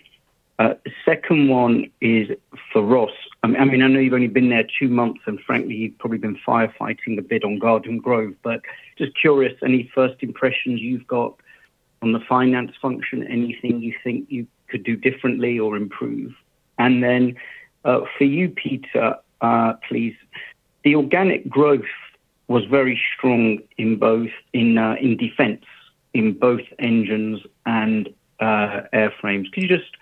The second one is for Ross. I know you've only been there two months, and frankly, you've probably been firefighting a bit on Garden Grove, but just curious, any first impressions you've got on the finance function, or anything you think you could do differently or improve? For you, Peter, please, the organic growth was very strong in defense in both engines and airframes. Can you just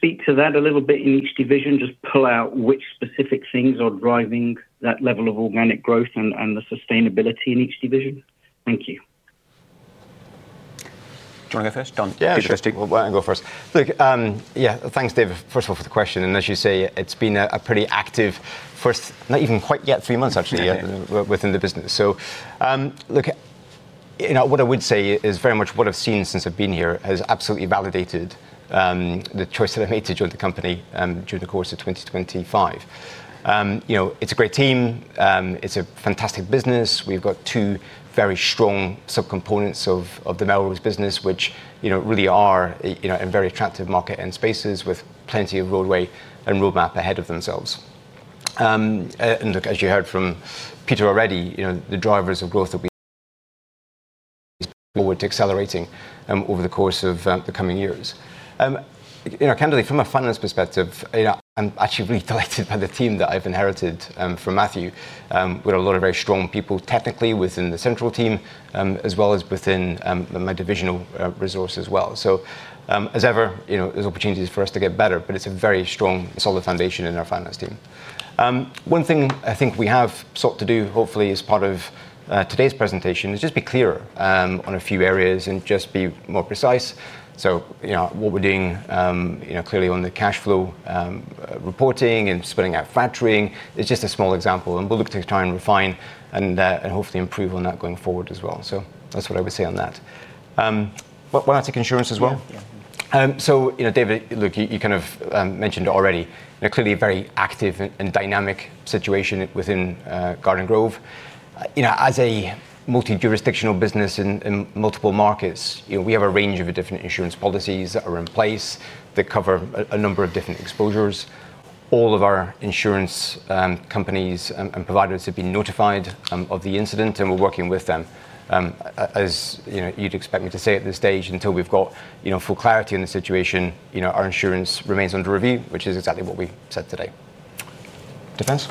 speak to that a little bit in each division? Just pull out which specific things are driving that level of organic growth and the sustainability in each division. Thank you. Do you want to go first? [inaudible] Yeah, sure. [inaudible] Why don't I go first? Look, yeah. Thanks, David, first of all for the question. As you say, it's been a pretty active first, not even quite yet, three months, actually. Yeah. within the business. What I would say is very much what I've seen since I've been here has absolutely validated the choice that I made to join the company during the course of 2025. It's a great team. It's a fantastic business. We've got two very strong sub-components of the Melrose business, which really are in very attractive market end spaces with plenty of roadway and roadmap ahead of them. Look, as you heard from Peter already, the drivers of growth that we forward are accelerating over the course of the coming years. Candidly, from a finance perspective, I'm actually really delighted by the team that I've inherited from Matthew, with a lot of very strong people technically within the central team, as well as within my divisional resource. As ever, there's opportunities for us to get better, but it's a very strong, solid foundation in our finance team. One thing I think we have sought to do, hopefully as part of today's presentation, is just be clearer on a few areas and just be more precise. What we're doing, clearly on the cash flow reporting and spelling out factoring, is just a small example, and we'll look to try and refine and hopefully improve on that going forward as well. That's what I would say on that. Why don't I take insurance as well? Yeah. David, look, you kind of mentioned already, clearly a very active and dynamic situation within Garden Grove. As a multi-jurisdictional business in multiple markets, we have a range of different insurance policies that are in place that cover a number of different exposures. All of our insurance companies and providers have been notified of the incident, and we're working with them. As you'd expect me to say at this stage, until we've got full clarity on the situation, our insurance remains under review, which is exactly what we said today. Defense.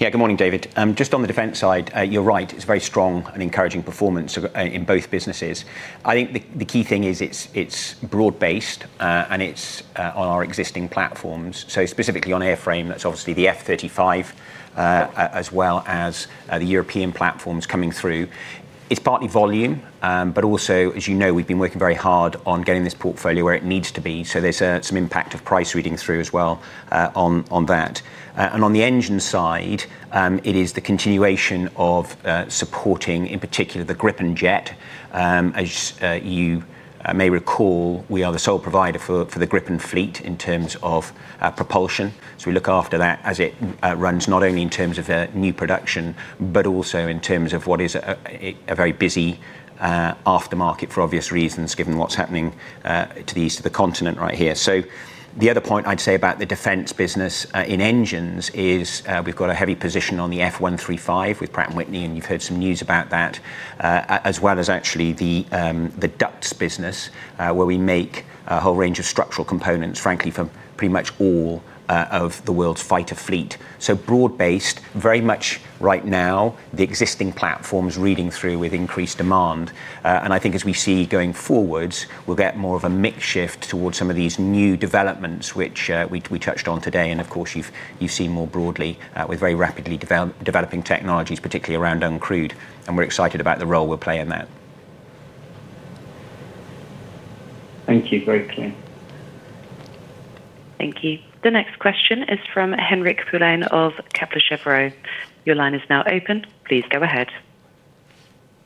Yeah. Good morning, David. Just on the defense side, you're right. It's a very strong and encouraging performance in both businesses. I think the key thing is it's broad-based, and it's on our existing platforms. Specifically on airframes, that's obviously the F-35, as well as the European platforms coming through. It's partly volume. Also, as you know, we've been working very hard on getting this portfolio where it needs to be. There's some impact of price reading through as well on that. On the engines' side, it is the continuation of supporting, in particular, the Gripen jet. As you may recall, we are the sole provider for the Gripen fleet in terms of propulsion. We look after that as it runs, not only in terms of new production, but also in terms of what is a very busy aftermarket for obvious reasons, given what's happening to the east of the continent right here. The other point I'd say about the defense business in Engines is we've got a heavy position on the F135 with Pratt & Whitney, and you've heard some news about that, as well as actually the ducts business where we make a whole range of structural components, frankly, for pretty much all of the world's fighter fleet. Broad-based, very much right now, the existing platforms are reading through with increased demand. I think as we see going forwards, we'll get more of a mix shift towards some of these new developments, which we touched on today, and of course, you've seen more broadly with very rapidly developing technologies, particularly around uncrewed, and we're excited about the role we'll play in that. Thank you. Very clear. Thank you. The next question is from Aymeric Poulain of Kepler Cheuvreux. Your line is now open. Please go ahead.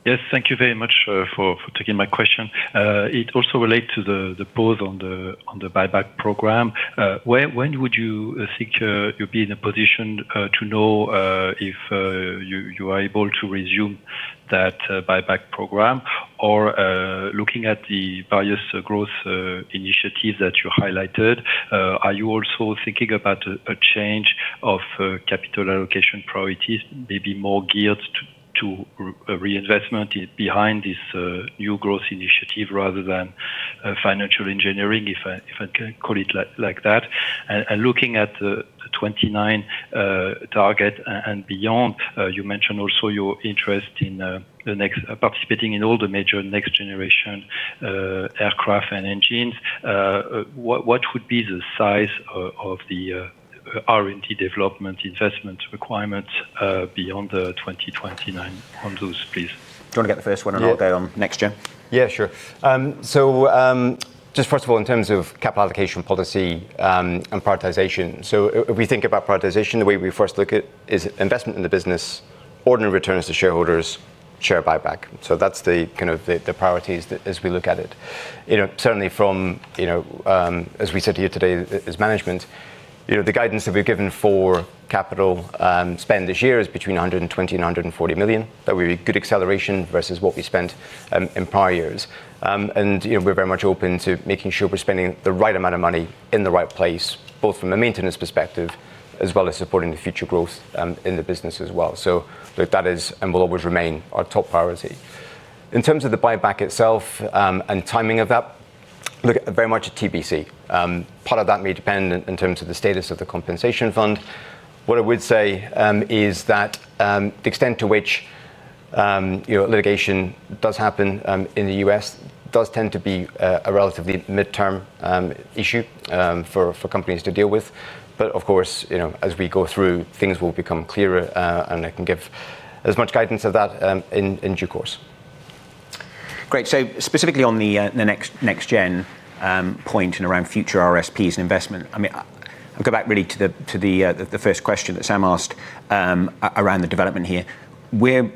Thank you very much for taking my question. It also relates to the pause on the buyback program. When would you think you'll be in a position to know if you are able to resume that buyback program? Or, looking at the various growth initiatives that you highlighted, are you also thinking about a change of capital allocation priorities, maybe more geared to reinvestment behind this new growth initiative rather than financial engineering, if I can call it like that? Looking at the 2029 target and beyond, you mentioned also your interest in participating in all the major next-generation aircraft and engines. What would be the size of the R&D development investment requirements beyond 2029 on those, please? Do you want to get the first one, and I'll go on next-gen? Yeah, sure. Just first of all, in terms of capital allocation policy and prioritization. If we think about prioritization, the way we first look at it is investment in the business, ordinary returns to shareholders, and share buyback. That's the kind of priority as we look at it. Certainly from, as we said to you today as management, the guidance that we've given for capital spend this year is between 120 million and 140 million. That will be good acceleration versus what we spent in prior years. We're very much open to making sure we're spending the right amount of money in the right place, both from the maintenance perspective and in supporting the future growth in the business as well. That is, and will always remain, our top priority. In terms of the buyback itself and the timing of that, it's very much a TBC. Part of that may depend on the status of the compensation fund. What I would say is that the extent to which litigation does happen in the U.S. does tend to be a relatively midterm issue for companies to deal with. Of course, as we go through, things will become clearer, and I can give as much guidance as possible in due course. Great. Specifically on the next-gen point and around future RSPs and investment. I'll go back really to the first question that Sam asked around the development here. We're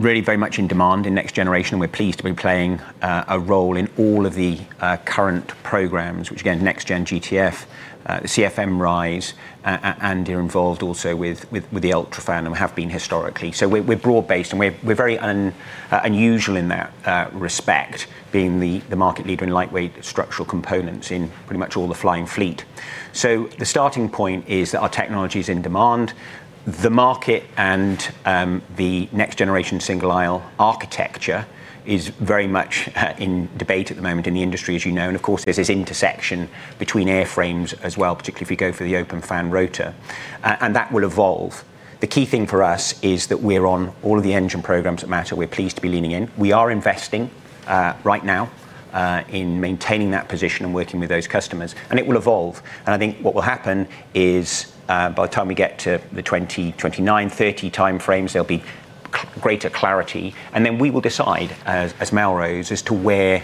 really very much in demand in the next generation, and we're pleased to be playing a role in all of the current programs, which are, again, next-gen GTF and CFM RISE, and they're also involved with the UltraFan and have been historically. We're broad-based, and we're very unusual in that respect, being the market leader in lightweight structural components in pretty much all the flying fleets. The starting point is that our technology's in demand. The market and the next generation's single-aisle architecture is very much in debate at the moment in the industry, as you know. Of course, there's this intersection between airframes as well, particularly if you go for the open fan rotor. That will evolve. The key thing for us is that we're on all of the engine programs that matter. We're pleased to be leaning in. We are investing right now in maintaining that position and working with those customers; it will evolve. I think what will happen is, by the time we get to the 2029 and 2030 time frames, there'll be greater clarity. Then we will decide, as Melrose, as to where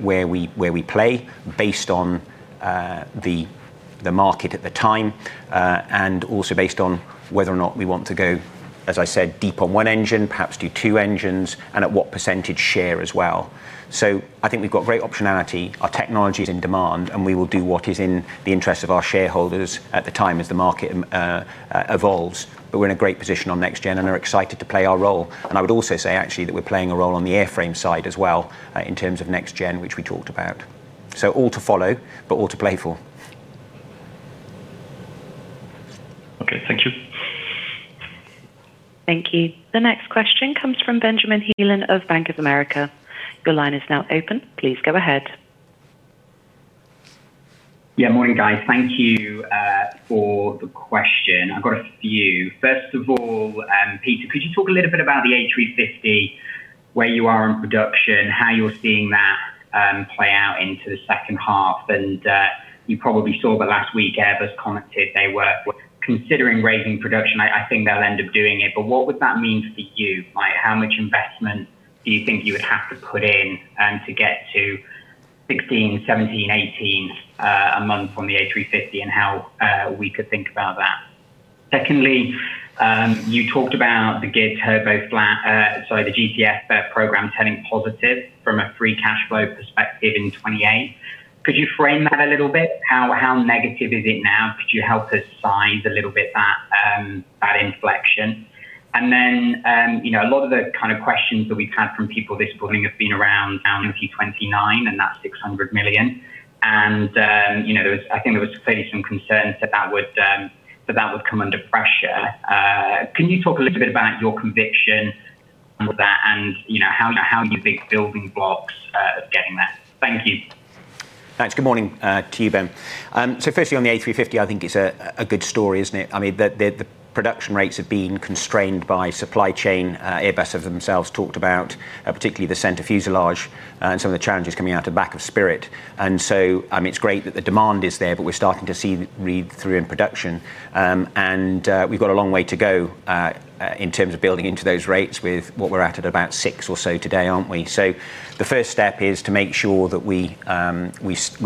we play based on the market at the time, also based on whether or not we want to go, as I said, deep on one engine, perhaps do two engines, and at what percentage share as well. I think we've got great optionality. Our technology is in demand; we will do what is in the interest of our shareholders at the time as the market evolves. We're in a great position on next-gen and are excited to play our role. I would also say, actually, that we're playing a role on the airframe side as well in terms of next gen, which we talked about. All to follow, but all to play for. Okay. Thank you. Thank you. The next question comes from Benjamin Heelan of Bank of America. Your line is now open. Please go ahead. Morning, guys. Thank you for the question. I've got a few. First of all, Peter, could you talk a little bit about the A350, where you are in production, and how you're seeing that play out into the second half? You probably saw that last week Airbus commented they were considering raising production. I think they'll end up doing it, what would that mean for you? How much investment do you think you would have to put in to get to 16, 17, or 18 a month on the A350, and how could we think about that? Secondly, you talked about the Geared Turbo fan. Sorry, the GTF program is turning positive from a free cash flow perspective in 2028. Could you frame that a little bit? How negative is it now? Could you help us size a little bit that inflection? A lot of the kind of questions that we've had from people this morning have been around looking to 2029 and that 600 million. I think there were clearly some concerns that that would come under pressure. Can you talk a little bit about your conviction with that and your big building blocks of getting there? Thank you. Thanks. Good morning to you, Ben. Firstly, on the A350, I think it's a good story, isn't it? I mean, the production rates have been constrained by the supply chain. Airbus themselves talked about particularly the center fuselage and some of the challenges coming out of the back of Spirit. It's great that the demand is there; we're starting to see read-through in production. We've got a long way to go in terms of building into those rates with what we're at at about six or so today, aren't we? The first step is to make sure that we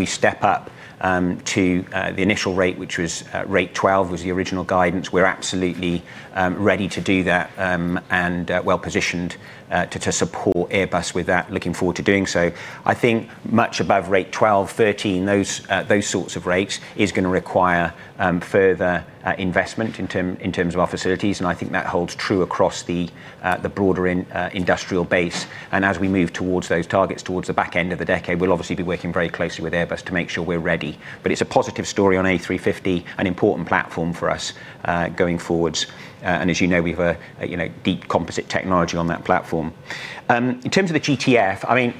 step up to the initial rate, which was rate 12, which was the original guidance. We're absolutely ready to do that and well-positioned to support Airbus with that, looking forward to doing so. I think much above rate 12, 13, and those sorts of rates are going to require further investment in terms of our facilities. I think that holds true across the broader industrial base. As we move towards those targets towards the back end of the decade, we'll obviously be working very closely with Airbus to make sure we're ready. It's a positive story on A350, an important platform for us going forward. As you know, we've a deep composite technology on that platform. In terms of the GTF,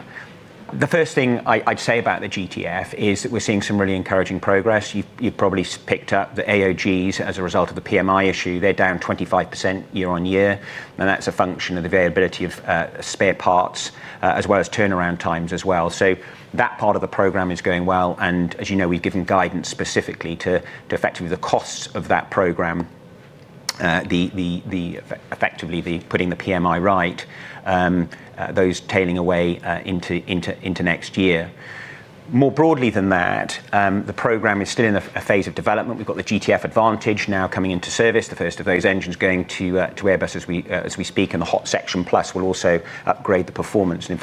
the first thing I'd say about the GTF is that we're seeing some really encouraging progress. You've probably picked up the AOGs as a result of the PMI issue. They're down 25% year-on-year. That's a function of availability of spare parts as well as turnaround times as well. That part of the program is going well, and as you know, we've given guidance specifically to effectively the costs of that program, effectively putting the PMI right, and those are tailing away into next year. More broadly than that, the program is still in a phase of development. We've got the GTF Advantage now coming into service, the first of those engines going to Airbus as we speak, and the Hot Section Plus will also upgrade the performance. In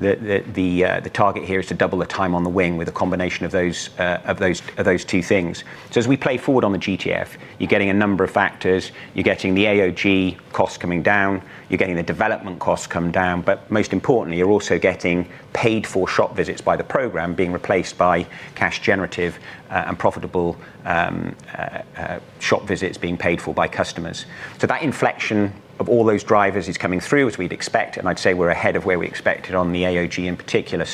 fact, the target here is to double the time on the wing with a combination of those two things. As we play forward on the GTF, you're getting a number of factors. You're getting the AOG costs coming down. You're getting the development costs to come down. Most importantly, you're also getting paid-for shop visits by the program being replaced by cash-generative and profitable shop visits being paid for by customers. That inflection of all those drivers is coming through as we'd expect, and I'd say we're ahead of where we expected on the AOG in particular.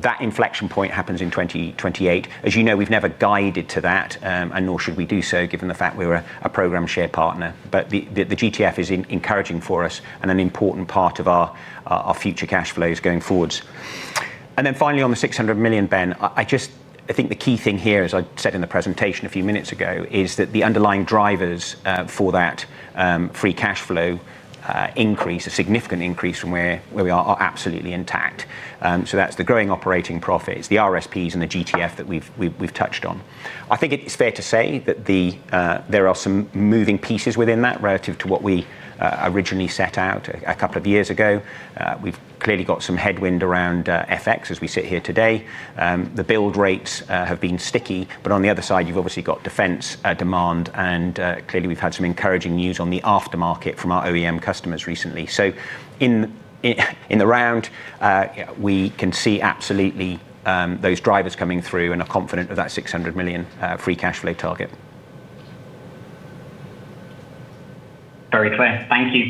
That inflection point happens in 2028. As you know, we've never guided to that, and nor should we do so given the fact we're a program share partner. The GTF is encouraging for us and an important part of our future cash flows going forwards. Finally, on the 600 million, Ben, I think the key thing here, as I said in the presentation a few minutes ago, is that the underlying drivers for that free cash flow increase are a significant increase from where we are absolutely intact. That's the growing operating profits, the RSPs, and the GTF that we've touched on. I think it is fair to say that there are some moving pieces within that relative to what we originally set out a couple of years ago. We've clearly got some headwind around FX as we sit here today. The build rates have been sticky. On the other side, you've obviously got defense demand, and clearly we've had some encouraging news on the aftermarket from our OEM customers recently. In the round, we can see absolutely those drivers coming through and are confident of that 600 million free cash flow target. Very clear. Thank you.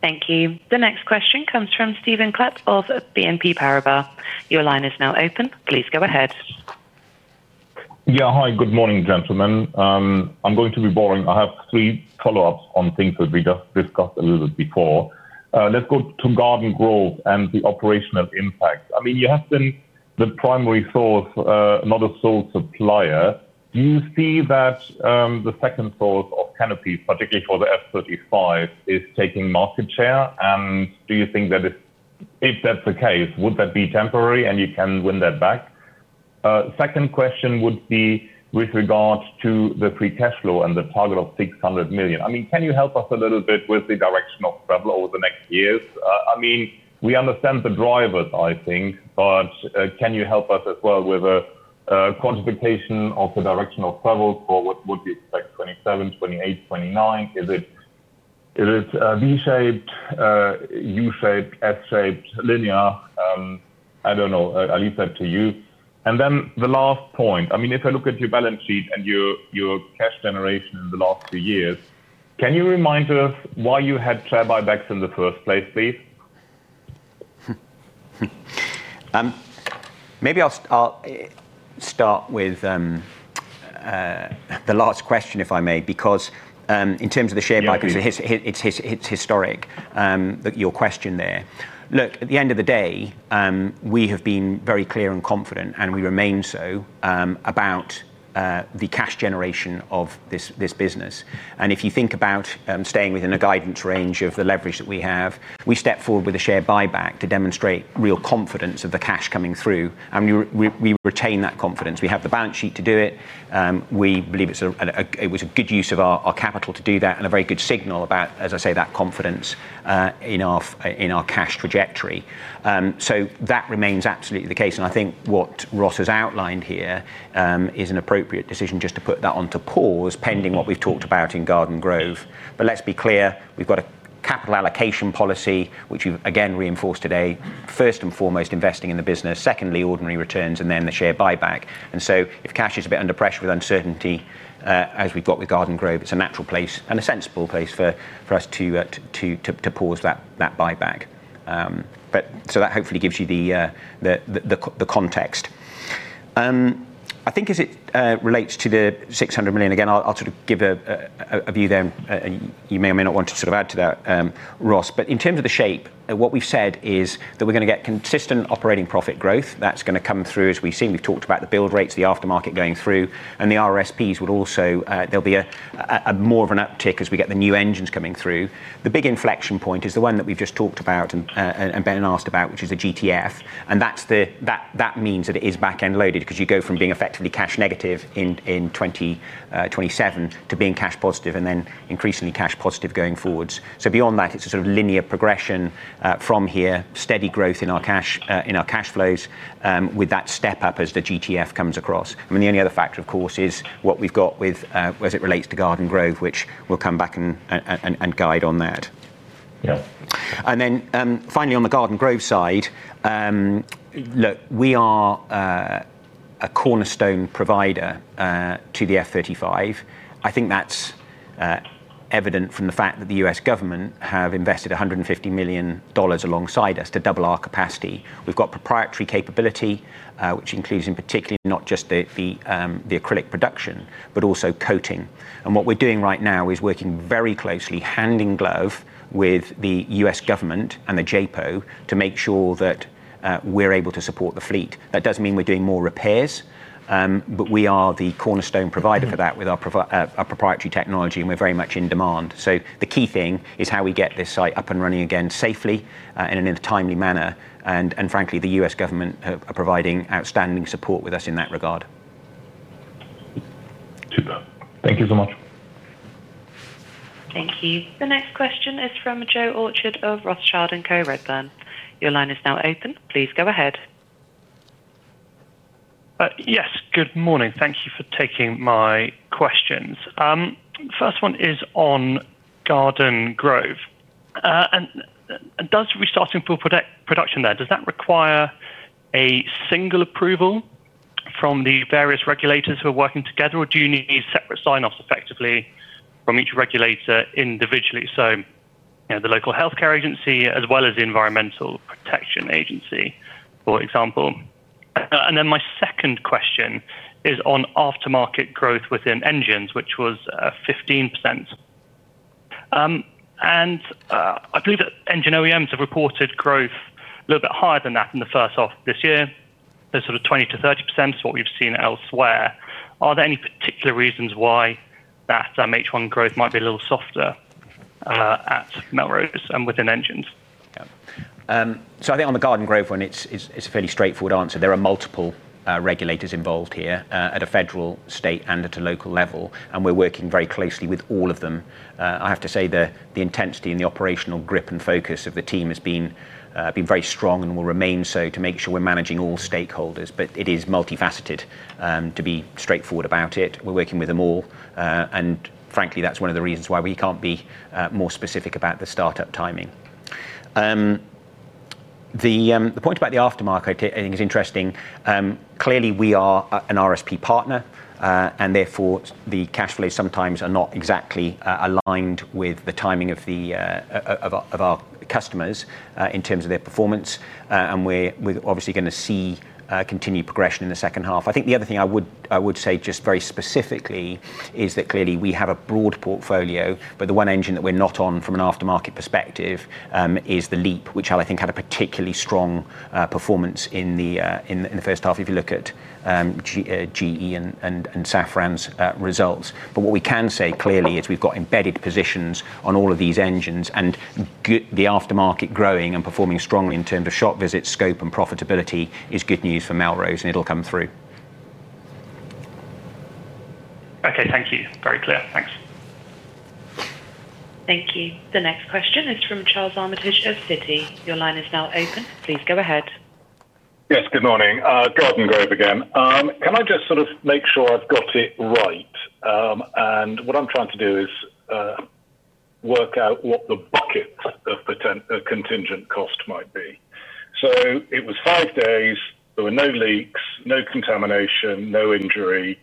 Thank you. The next question comes from Stephan Klepp of BNP Paribas. Your line is now open. Please go ahead. Yeah. Hi. Good morning, gentlemen. I'm going to be boring. I have three follow-ups on things that we just discussed a little bit before. Let's go to Garden Grove and the operational impact. You have been the primary source, not a sole supplier. Do you see that the second source of canopies, particularly for the F-35, is taking market share? Do you think that if that's the case, it would be temporary and you can win that back? The second question would be with regard to the free cash flow and the target of 600 million. Can you help us a little bit with the direction of travel over the next years? We understand the drivers, I think, but can you help us as well with a quantification of the direction of travel for what would be like 2027, 2028, and 2029? Is it V-shaped, U-shaped, S-shaped, or linear? I don't know. I leave that to you. Then the last point. If I look at your balance sheet and your cash generation in the last two years, can you remind us why you had share buybacks in the first place, please? Maybe I'll start with the last question, if I may. Yeah, please. It's historic, your question there. At the end of the day, we have been very clear and confident, and we remain so, about the cash generation of this business. If you think about staying within a guidance range of the leverage that we have, we step forward with a share buyback to demonstrate real confidence of the cash coming through, and we retain that confidence. We have the balance sheet to do it. We believe it was a good use of our capital to do that and a very good signal about, as I say, that confidence in our cash trajectory. That remains absolutely the case, and I think what Ross has outlined here is an appropriate decision just to put that on to pause pending what we've talked about in Garden Grove. Let's be clear. We've got a capital allocation policy, which we've again reinforced today. First and foremost, investing in the business. Secondly, ordinary returns, and then the share buyback. If cash is a bit under pressure with uncertainty as we've got with Garden Grove, it's a natural place and a sensible place for us to pause that buyback. That hopefully gives you the context. As it relates to the 600 million, again, I'll sort of give a view then. You may or may not want to sort of add to that, Ross. In terms of the shape, what we've said is that we're going to get consistent operating profit growth. That's going to come through, as we've seen. We've talked about the build rates, the aftermarket going through, and the RSPs as well. There'll be more of an uptick as we get the new engines coming through. The big inflection point is the one that we've just talked about and Ben asked about, which is the GTF. That means that it is backend- loaded because you go from being effectively cash negative in 2027 to being cash positive and then increasingly cash positive going forwards. Beyond that, it's a sort of linear progression from here. Steady growth in our cash flows with that step up as the GTF comes across. The only other factor, of course, is what we've got as it relates to Garden Grove, which we'll come back and guide on that. Yeah. Finally, on the Garden Grove side, look, we are a cornerstone provider to the F-35. I think that's evident from the fact that the U.S. government has invested $150 million alongside us to double our capacity. We've got proprietary capability, which includes, in particular, not just the acrylic production but also coating. What we're doing right now is working very closely hand in glove with the U.S. government and the JPO to make sure that we're able to support the fleet. That does mean we're doing more repairs, but we are the cornerstone provider for that with our proprietary technology, and we're very much in demand. The key thing is how we get this site up and running again safely and in a timely manner. Frankly, the U.S. government is providing outstanding support to us in that regard. Super. Thank you so much. Thank you. The next question is from Joe Orchard of Rothschild & Co Redburn. Your line is now open. Please go ahead. Yes, good morning. Thank you for taking my questions. The first one is on Garden Grove. Does restarting full production there require a single approval from the various regulators who are working together? Or do you need separate sign-offs effectively from each regulator individually? The local healthcare agency as well as the Environmental Protection Agency, for example. My second question is on aftermarket growth within engines, which was 15%. I believe that engine OEMs have reported growth a little bit higher than that in the first half of this year. They're sort of 20%-30%, is what we've seen elsewhere. Are there any particular reasons why that H1 growth might be a little softer at Melrose and within Engines? So I think on the Garden Grove one, it's a fairly straightforward answer. There are multiple regulators involved here at a federal, state, and local level, and we're working very closely with all of them. I have to say, the intensity and the operational grip and focus of the team have been very strong and will remain so to make sure we're managing all stakeholders. It is multifaceted, to be straightforward about it. We're working with them all. Frankly, that's one of the reasons why we can't be more specific about the startup timing. The point about the aftermarket, I think, is interesting. Clearly we are an RSP partner. Therefore, the cash flows sometimes are not exactly aligned with the timing of our customers in terms of their performance. And we're obviously going to see continued progression in the second half. I think the other thing I would say just very specifically is that clearly we have a broad portfolio, but the one engine that we're not on from an aftermarket perspective is the LEAP, which I think had a particularly strong performance in the first half, if you look at GE and Safran's results. What we can say clearly is we've got embedded positions on all of these engines, and the aftermarket growing and performing strongly in terms of shop visits, scope, and profitability is good news for Melrose, and it'll come through. Okay. Thank you. Very clear. Thanks. Thank you. The next question is from Charles Armitage of Citi. Your line is now open. Please go ahead. Yes, good morning. Garden Grove again. Can I just sort of make sure I've got it right? What I'm trying to do is work out what the bucket of contingent cost might be. It was five days. There were no leaks, no contamination, and no injury.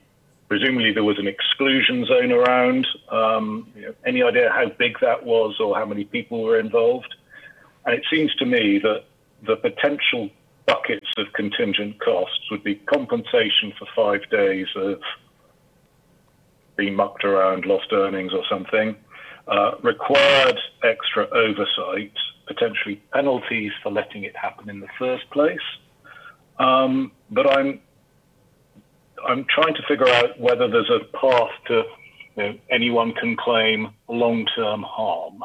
Presumably, there was an exclusion zone around. Any idea how big that was or how many people were involved? It seems to me that the potential buckets of contingent costs would be compensation for five days of being mucked around, lost earnings or something, required extra oversight, and potentially penalties for letting it happen in the first place. I'm trying to figure out whether there's a path for anyone to claim long-term harm.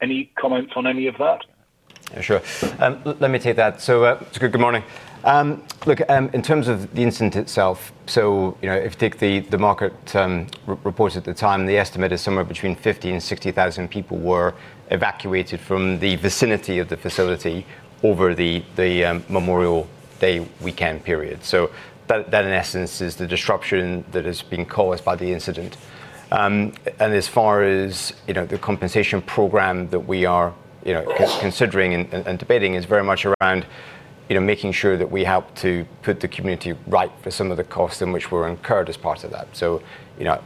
Any comments on any of that? Sure. Let me take that. Good morning. Look, in terms of the incident itself, if you take the market reports at the time, the estimate is somewhere between 50,000 and 60,000 people were evacuated from the vicinity of the facility over the Memorial Day weekend period. That in essence is the disruption that has been caused by the incident. As far as the compensation program that we are considering and debating is very much around making sure that we help to put the community right for some of the costs in which were incurred as part of that.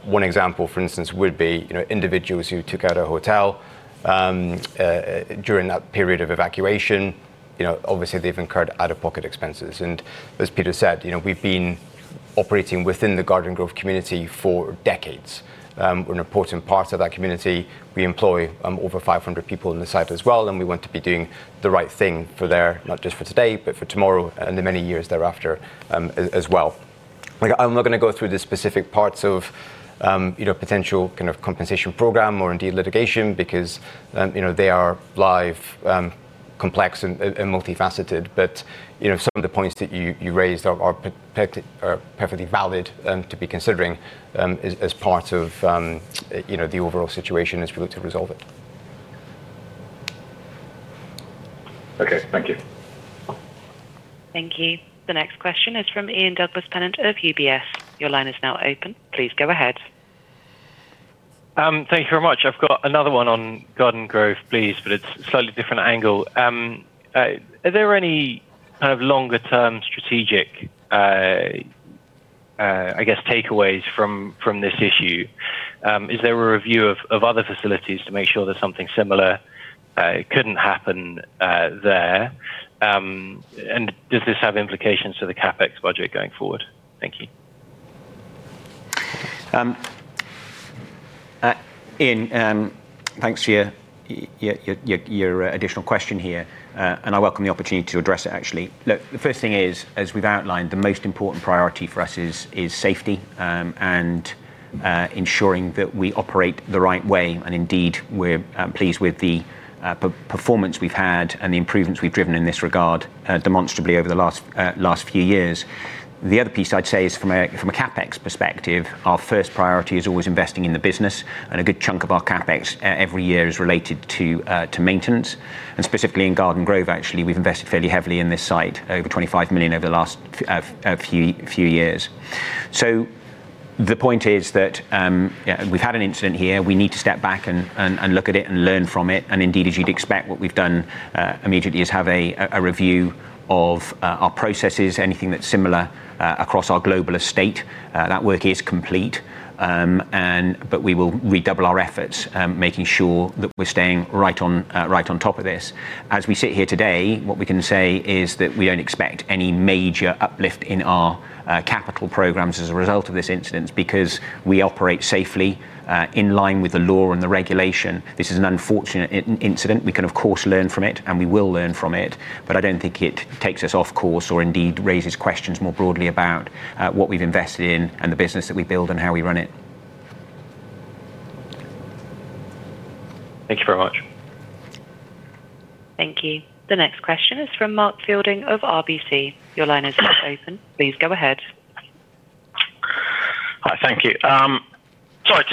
One example, for instance, would be individuals who took out a hotel during that period of evacuation. Obviously, they've incurred out-of-pocket expenses. As Peter said, we've been operating within the Garden Grove community for decades. We're an important part of that community. We employ over 500 people on the site as well, and we want to be doing the right thing for them, not just for today, but for tomorrow and the many years thereafter as well. Look, I'm not going to go through the specific parts of potential kind of compensation program or indeed litigation because they are live, complex, and multifaceted. Some of the points that you raised are perfectly valid to be considering as part of the overall situation as we look to resolve it. Okay. Thank you. Thank you. The next question is from Ian Douglas-Pennant of UBS. Your line is now open. Please go ahead. Thank you very much. I have got another one on Garden Grove, please, but it is a slightly different angle. Are there any kind of longer-term strategic, I guess, takeaways from this issue? Is there a review of other facilities to make sure that something similar couldn't happen there? Does this have implications for the CapEx budget going forward? Thank you. Ian, thanks for your additional question here. I welcome the opportunity to address it, actually. Look, the first thing is, as we have outlined, the most important priority for us is safety and ensuring that we operate the right way, and indeed, we are pleased with the performance we have had and the improvements we have driven in this regard, demonstrably over the last few years. The other piece, I would say, is from a CapEx perspective: our first priority is always investing in the business, and a good chunk of our CapEx every year is related to maintenance. Specifically in Garden Grove, actually, we have invested fairly heavily in this site, over 25 million over the last few years. The point is that, yeah, we have had an incident here. We need to step back and look at it and learn from it. Indeed, as you would expect, what we have done immediately is have a review of our processes, anything that is similar across our global estate. That work is complete. We will redouble our efforts, making sure that we are staying right on top of this. As we sit here today, what we can say is that we do not expect any major uplift in our capital programs as a result of this incident, because we operate safely, in line with the law and the regulation. This is an unfortunate incident. We can, of course, learn from it, and we will learn from it. I do not think it takes us off course or indeed raises questions more broadly about what we have invested in and the business that we build and how we run it. Thank you very much. Thank you. The next question is from Mark Fielding of RBC. Your line is now open. Please go ahead. Hi, thank you. Sorry,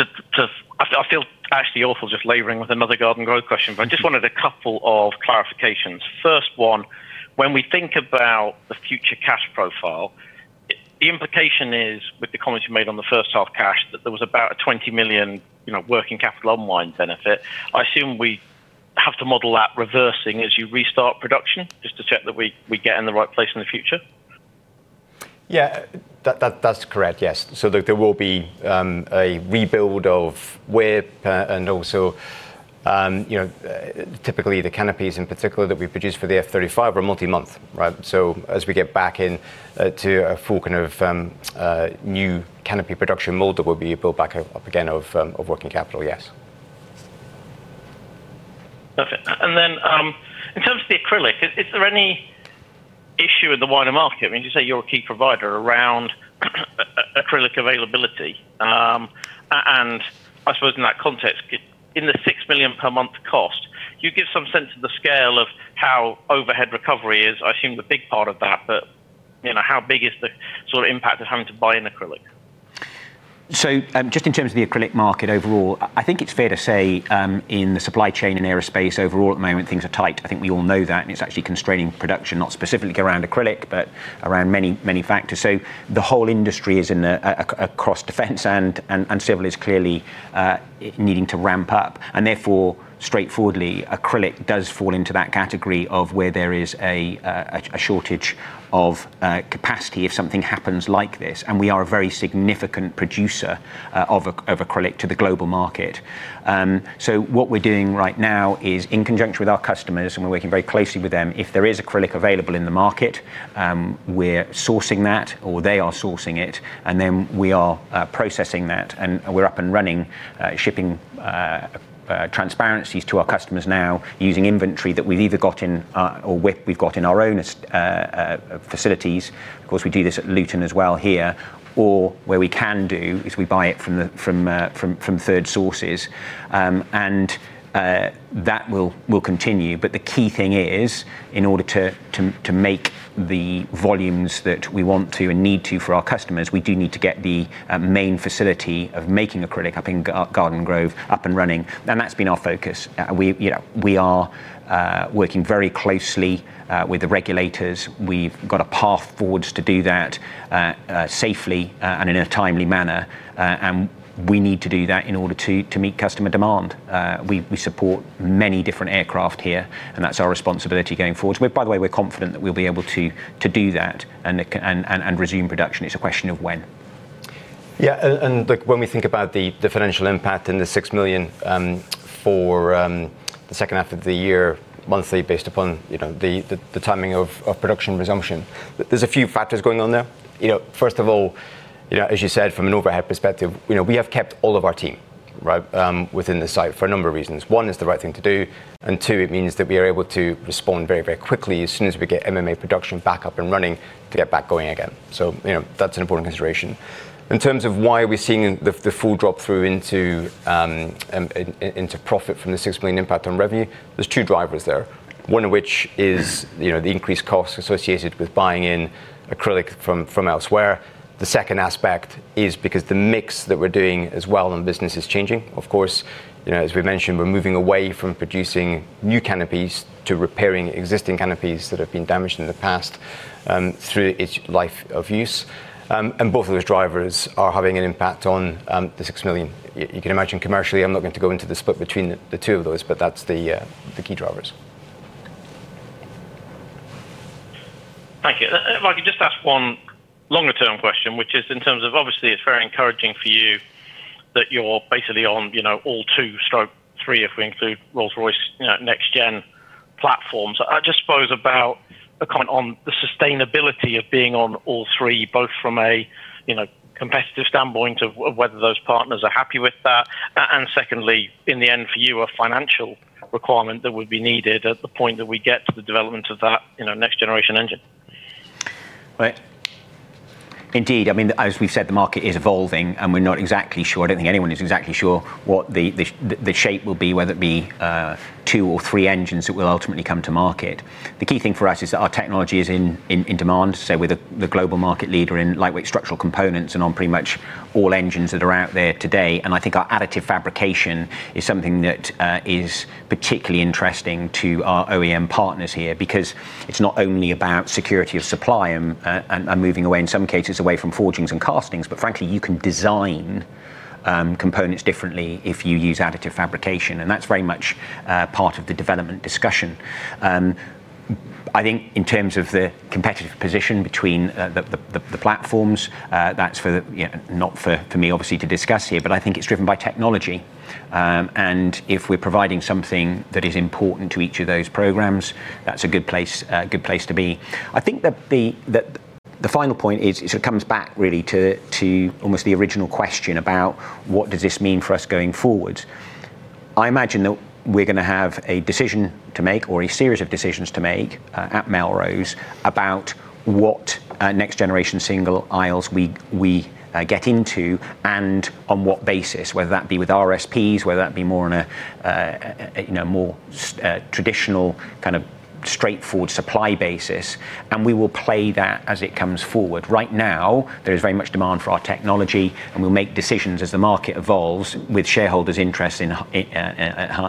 I feel actually awful just laboring with another Garden Grove question; I just wanted a couple of clarifications. First one, when we think about the future cash profile, the implication is, with the comments you made on the first-half cash, that there was about a 20 million working capital unwind benefit. I assume we have to model that reversing as you restart production, just to check that we get in the right place in the future? Yeah. That's correct, yes. There will be a rebuild of WIP, and also, typically, the canopies in particular that we produce for the F-35 are multi-month, right? As we get back into a full kind of new canopy production mode, there will be a build-up of working capital again, yes. Perfect. Then, in terms of the acrylic, is there any issue in the wider market? I mean, you say you're a key provider around acrylic availability. I suppose in that context, in the 6 million per month cost, can you give some sense of the scale of how overhead recovery is, I assume, a big part of that, but how big is the sort of impact of having to buy in acrylic? Just in terms of the acrylic market overall, I think it's fair to say, in the supply chain and aerospace overall, at the moment, things are tight. I think we all know that, and it's actually constraining production, not specifically around acrylic, but around many factors. The whole industry is in a cross-defense, and civil is clearly needing to ramp up. Therefore, straightforwardly, acrylic does fall into that category of where there is a shortage of capacity if something happens like this. We are a very significant producer of acrylic to the global market. What we're doing right now is in conjunction with our customers, and we're working very closely with them, if there is acrylic available in the market, we're sourcing that, or they are sourcing it, and then we are processing that, and we're up and running, shipping tranparencies to our customers now using inventory that we've either got in or WIP we've got in our own facilities. Of course, we do this at Luton as well here, or where we can do it is we buy it from third sources. That will continue, but the key thing is, in order to make the volumes that we want and need for our customers, we do need to get the main facility of making acrylic up in Garden Grove up and running. That's been our focus. We are working very closely with the regulators. We've got a path forwards to do that safely and in a timely manner. We need to do that in order to meet customer demand. We support many different aircraft here, and that's our responsibility going forward. By the way, we're confident that we'll be able to do that and resume production. It's a question of when. Look, when we think about the financial impact and the 6 million for the second half of the year monthly based upon the timing of production resumption, there's a few factors going on there. First of all, as you said, from an overhead perspective, we have kept all of our team, right, within the site for a number of reasons. One, it's the right thing to do. Two, it means that we are able to respond very quickly as soon as we get MMA production back up and running to get back going again. That's an important consideration. In terms of why we're seeing the full drop-through into profit from the 6 million impact on revenue, there's two drivers there. One of which is the increased costs associated with buying in acrylic from elsewhere. The second aspect is because of the mix that we're doing as well, the business is changing. Of course, as we've mentioned, we're moving away from producing new canopies to repairing existing canopies that have been damaged in the past, through their life of use. Both of those drivers are having an impact on the 6 million. You can imagine commercially, I'm not going to go into the split between the two of those, but that's the key driver. Thank you. If I could just ask one longer-term question, it's in terms of obviously it's very encouraging for you that you're basically on all 2/3 if we include Rolls-Royce's next-gen platforms. I just suppose about a comment on the sustainability of being on all three, both from a competitive standpoint of whether those partners are happy with that. Secondly, in the end for you, a financial requirement that would be needed at the point that we get to the development of that next-generation engine. Indeed. As we've said, the market is evolving. We're not exactly sure; I don't think anyone is exactly sure what the shape will be, whether it be two or three engines that will ultimately come to market. The key thing for us is that our technology is in demand. We're the global market leader in lightweight structural components and on pretty much all engines that are out there today. I think our additive fabrication is something that is particularly interesting to our OEM partners here, because it's not only about security of supply and moving away, in some cases, away from forgings and castings, but frankly, you can design components differently if you use additive fabrication, and that's very much part of the development discussion. I think in terms of the competitive position between the platforms, that's not for me, obviously, to discuss here, but I think it's driven by technology. If we're providing something that is important to each of those programs, that's a good place to be. I think that the final point really comes back to almost the original question about what this means for us going forward. I imagine that we're going to have a decision to make or a series of decisions to make at Melrose about what next-generation single aisles we get into and on what basis, whether that be with RSPs or more on a more traditional kind of straightforward supply basis. We will play that as it comes forward. Right now, there is very much demand for our technology. We'll make decisions as the market evolves with shareholders' interests at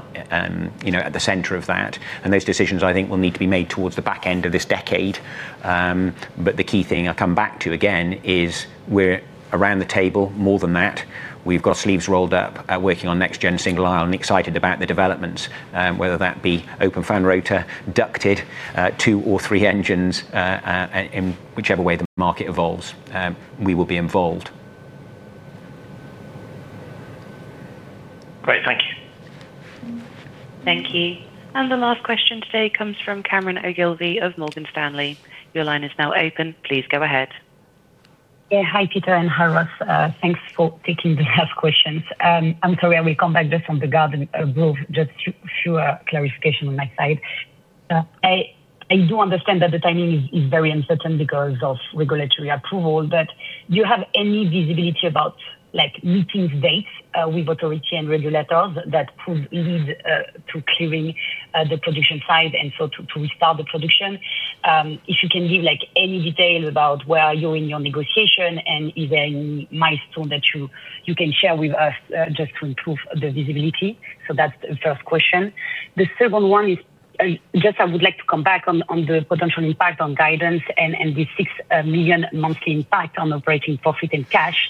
the center of that. Those decisions, I think, will need to be made towards the back end of this decade. The key thing I'll come back to again is we're around the table, more than that. We've got sleeves rolled up working on the next-gen single-aisle and are excited about the developments, whether that be open fan rotor, ducted, two- or three-engined. In whichever way the market evolves, we will be involved. Great. Thank you. Thank you. The last question today comes from Cameron Ogilvie of Morgan Stanley. Your line is now open. Please go ahead. Yeah. Hi, Peter, and hi, Ross. Thanks for taking these last questions. I'm sorry, I will come back just to Garden Grove, just with fewer clarifications on my side. I do understand that the timing is very uncertain because of regulatory approval. Do you have any visibility about meeting dates with authority and regulators that prove easy to clear the production side and so to restart the production? If you can give any details about where you are in your negotiation and even the milestone that you can share with us, just to improve the visibility. That's the first question. The second one is just I would like to come back on the potential impact on guidance and the 6 million monthly impact on operating profit and cash.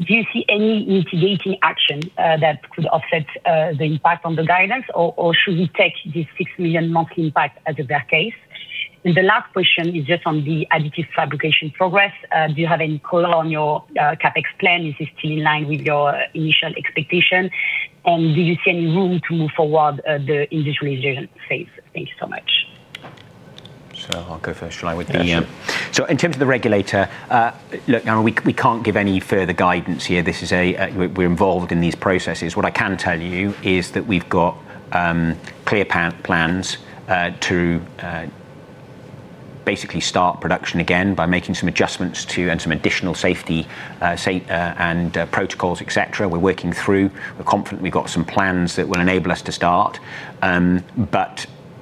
Do you see any mitigating action that could offset the impact on the guidance, or should we take this 6 million monthly impact as a base case? The last question is just on the additive fabrication progress. Do you have any color on your CapEx plan? Is this still in line with your initial expectation? Do you see any room to move forward the industrialization phase? Thank you so much. I'll go first, shall I, with the— Yeah, sure. In terms of the regulator, look, Cameron, we can't give any further guidance here. We're involved in these processes. What I can tell you is that we've got clear path plans to basically start production again by making some adjustments and some additional safety and protocols, et cetera. We're working through it. We're confident we've got some plans that will enable us to start.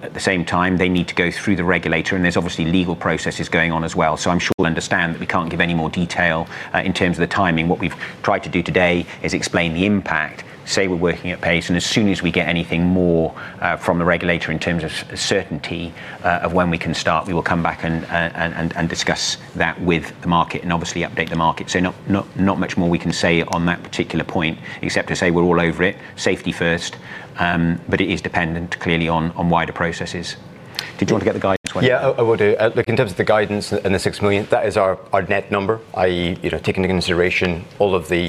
At the same time, they need to go through the regulator, and there's obviously legal processes going on as well. I'm sure you'll understand that we can't give any more detail in terms of the timing. What we've tried to do today is explain the impact, say we're working at pace, and as soon as we get anything more from the regulator in terms of certainty of when we can start, we will come back and discuss that with the market and obviously update the market. Not much more we can say on that particular point, except to say we're all over it. Safety first. It is dependent, clearly, on wider processes. Did you want to get the guidance one? Yeah, I will do. Look, in terms of the guidance and the 6 million, that is our net number, i.e., taking into consideration all of the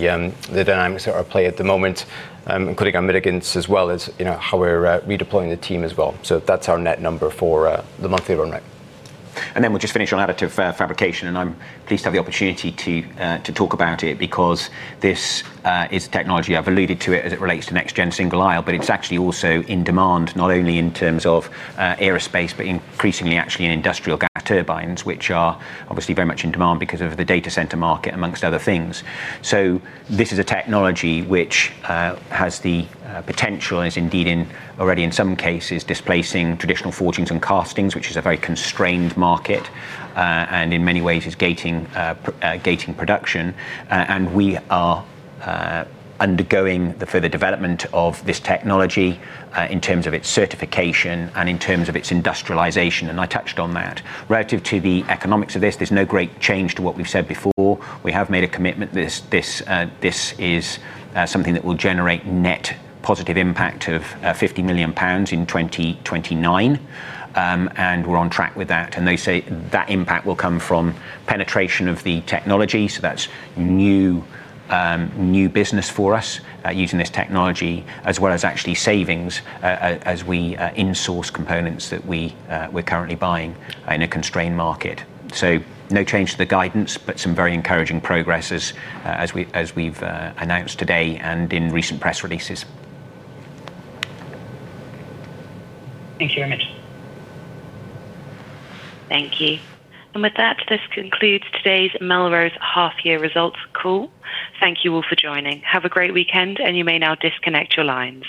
dynamics that are at play at the moment, including our mitigants, as well as how we're redeploying the team as well. That's our net number for the monthly run rate. We'll just finish on additive fabrication, and I'm pleased to have the opportunity to talk about it because this is technology I've alluded to as it relates to next-gen single-aisle. It's actually also in demand, not only in terms of aerospace, but increasingly actually in industrial gas turbines, which are obviously very much in demand because of the data center market, amongst other things. This is a technology that has the potential and is indeed already in some cases displacing traditional forgeries and castings, which is a very constrained market, and in many ways is gating production. We are undergoing the further development of this technology in terms of its certification and in terms of its industrialization, and I touched on that. Relative to the economics of this, there's no great change to what we've said before. We have made a commitment. This is something that will generate a net positive impact of 50 million pounds in 2029; we're on track with that. They say that impact will come from penetration of the technology, so that's new business for us using this technology, as well as actually savings as we insource components that we're currently buying in a constrained market. No change to the guidance, but some very encouraging progress, as we've announced today and in recent press releases. Thank you very much. Thank you. With that, this concludes today's Melrose half-year results call. Thank you all for joining. Have a great weekend, and you may now disconnect your lines.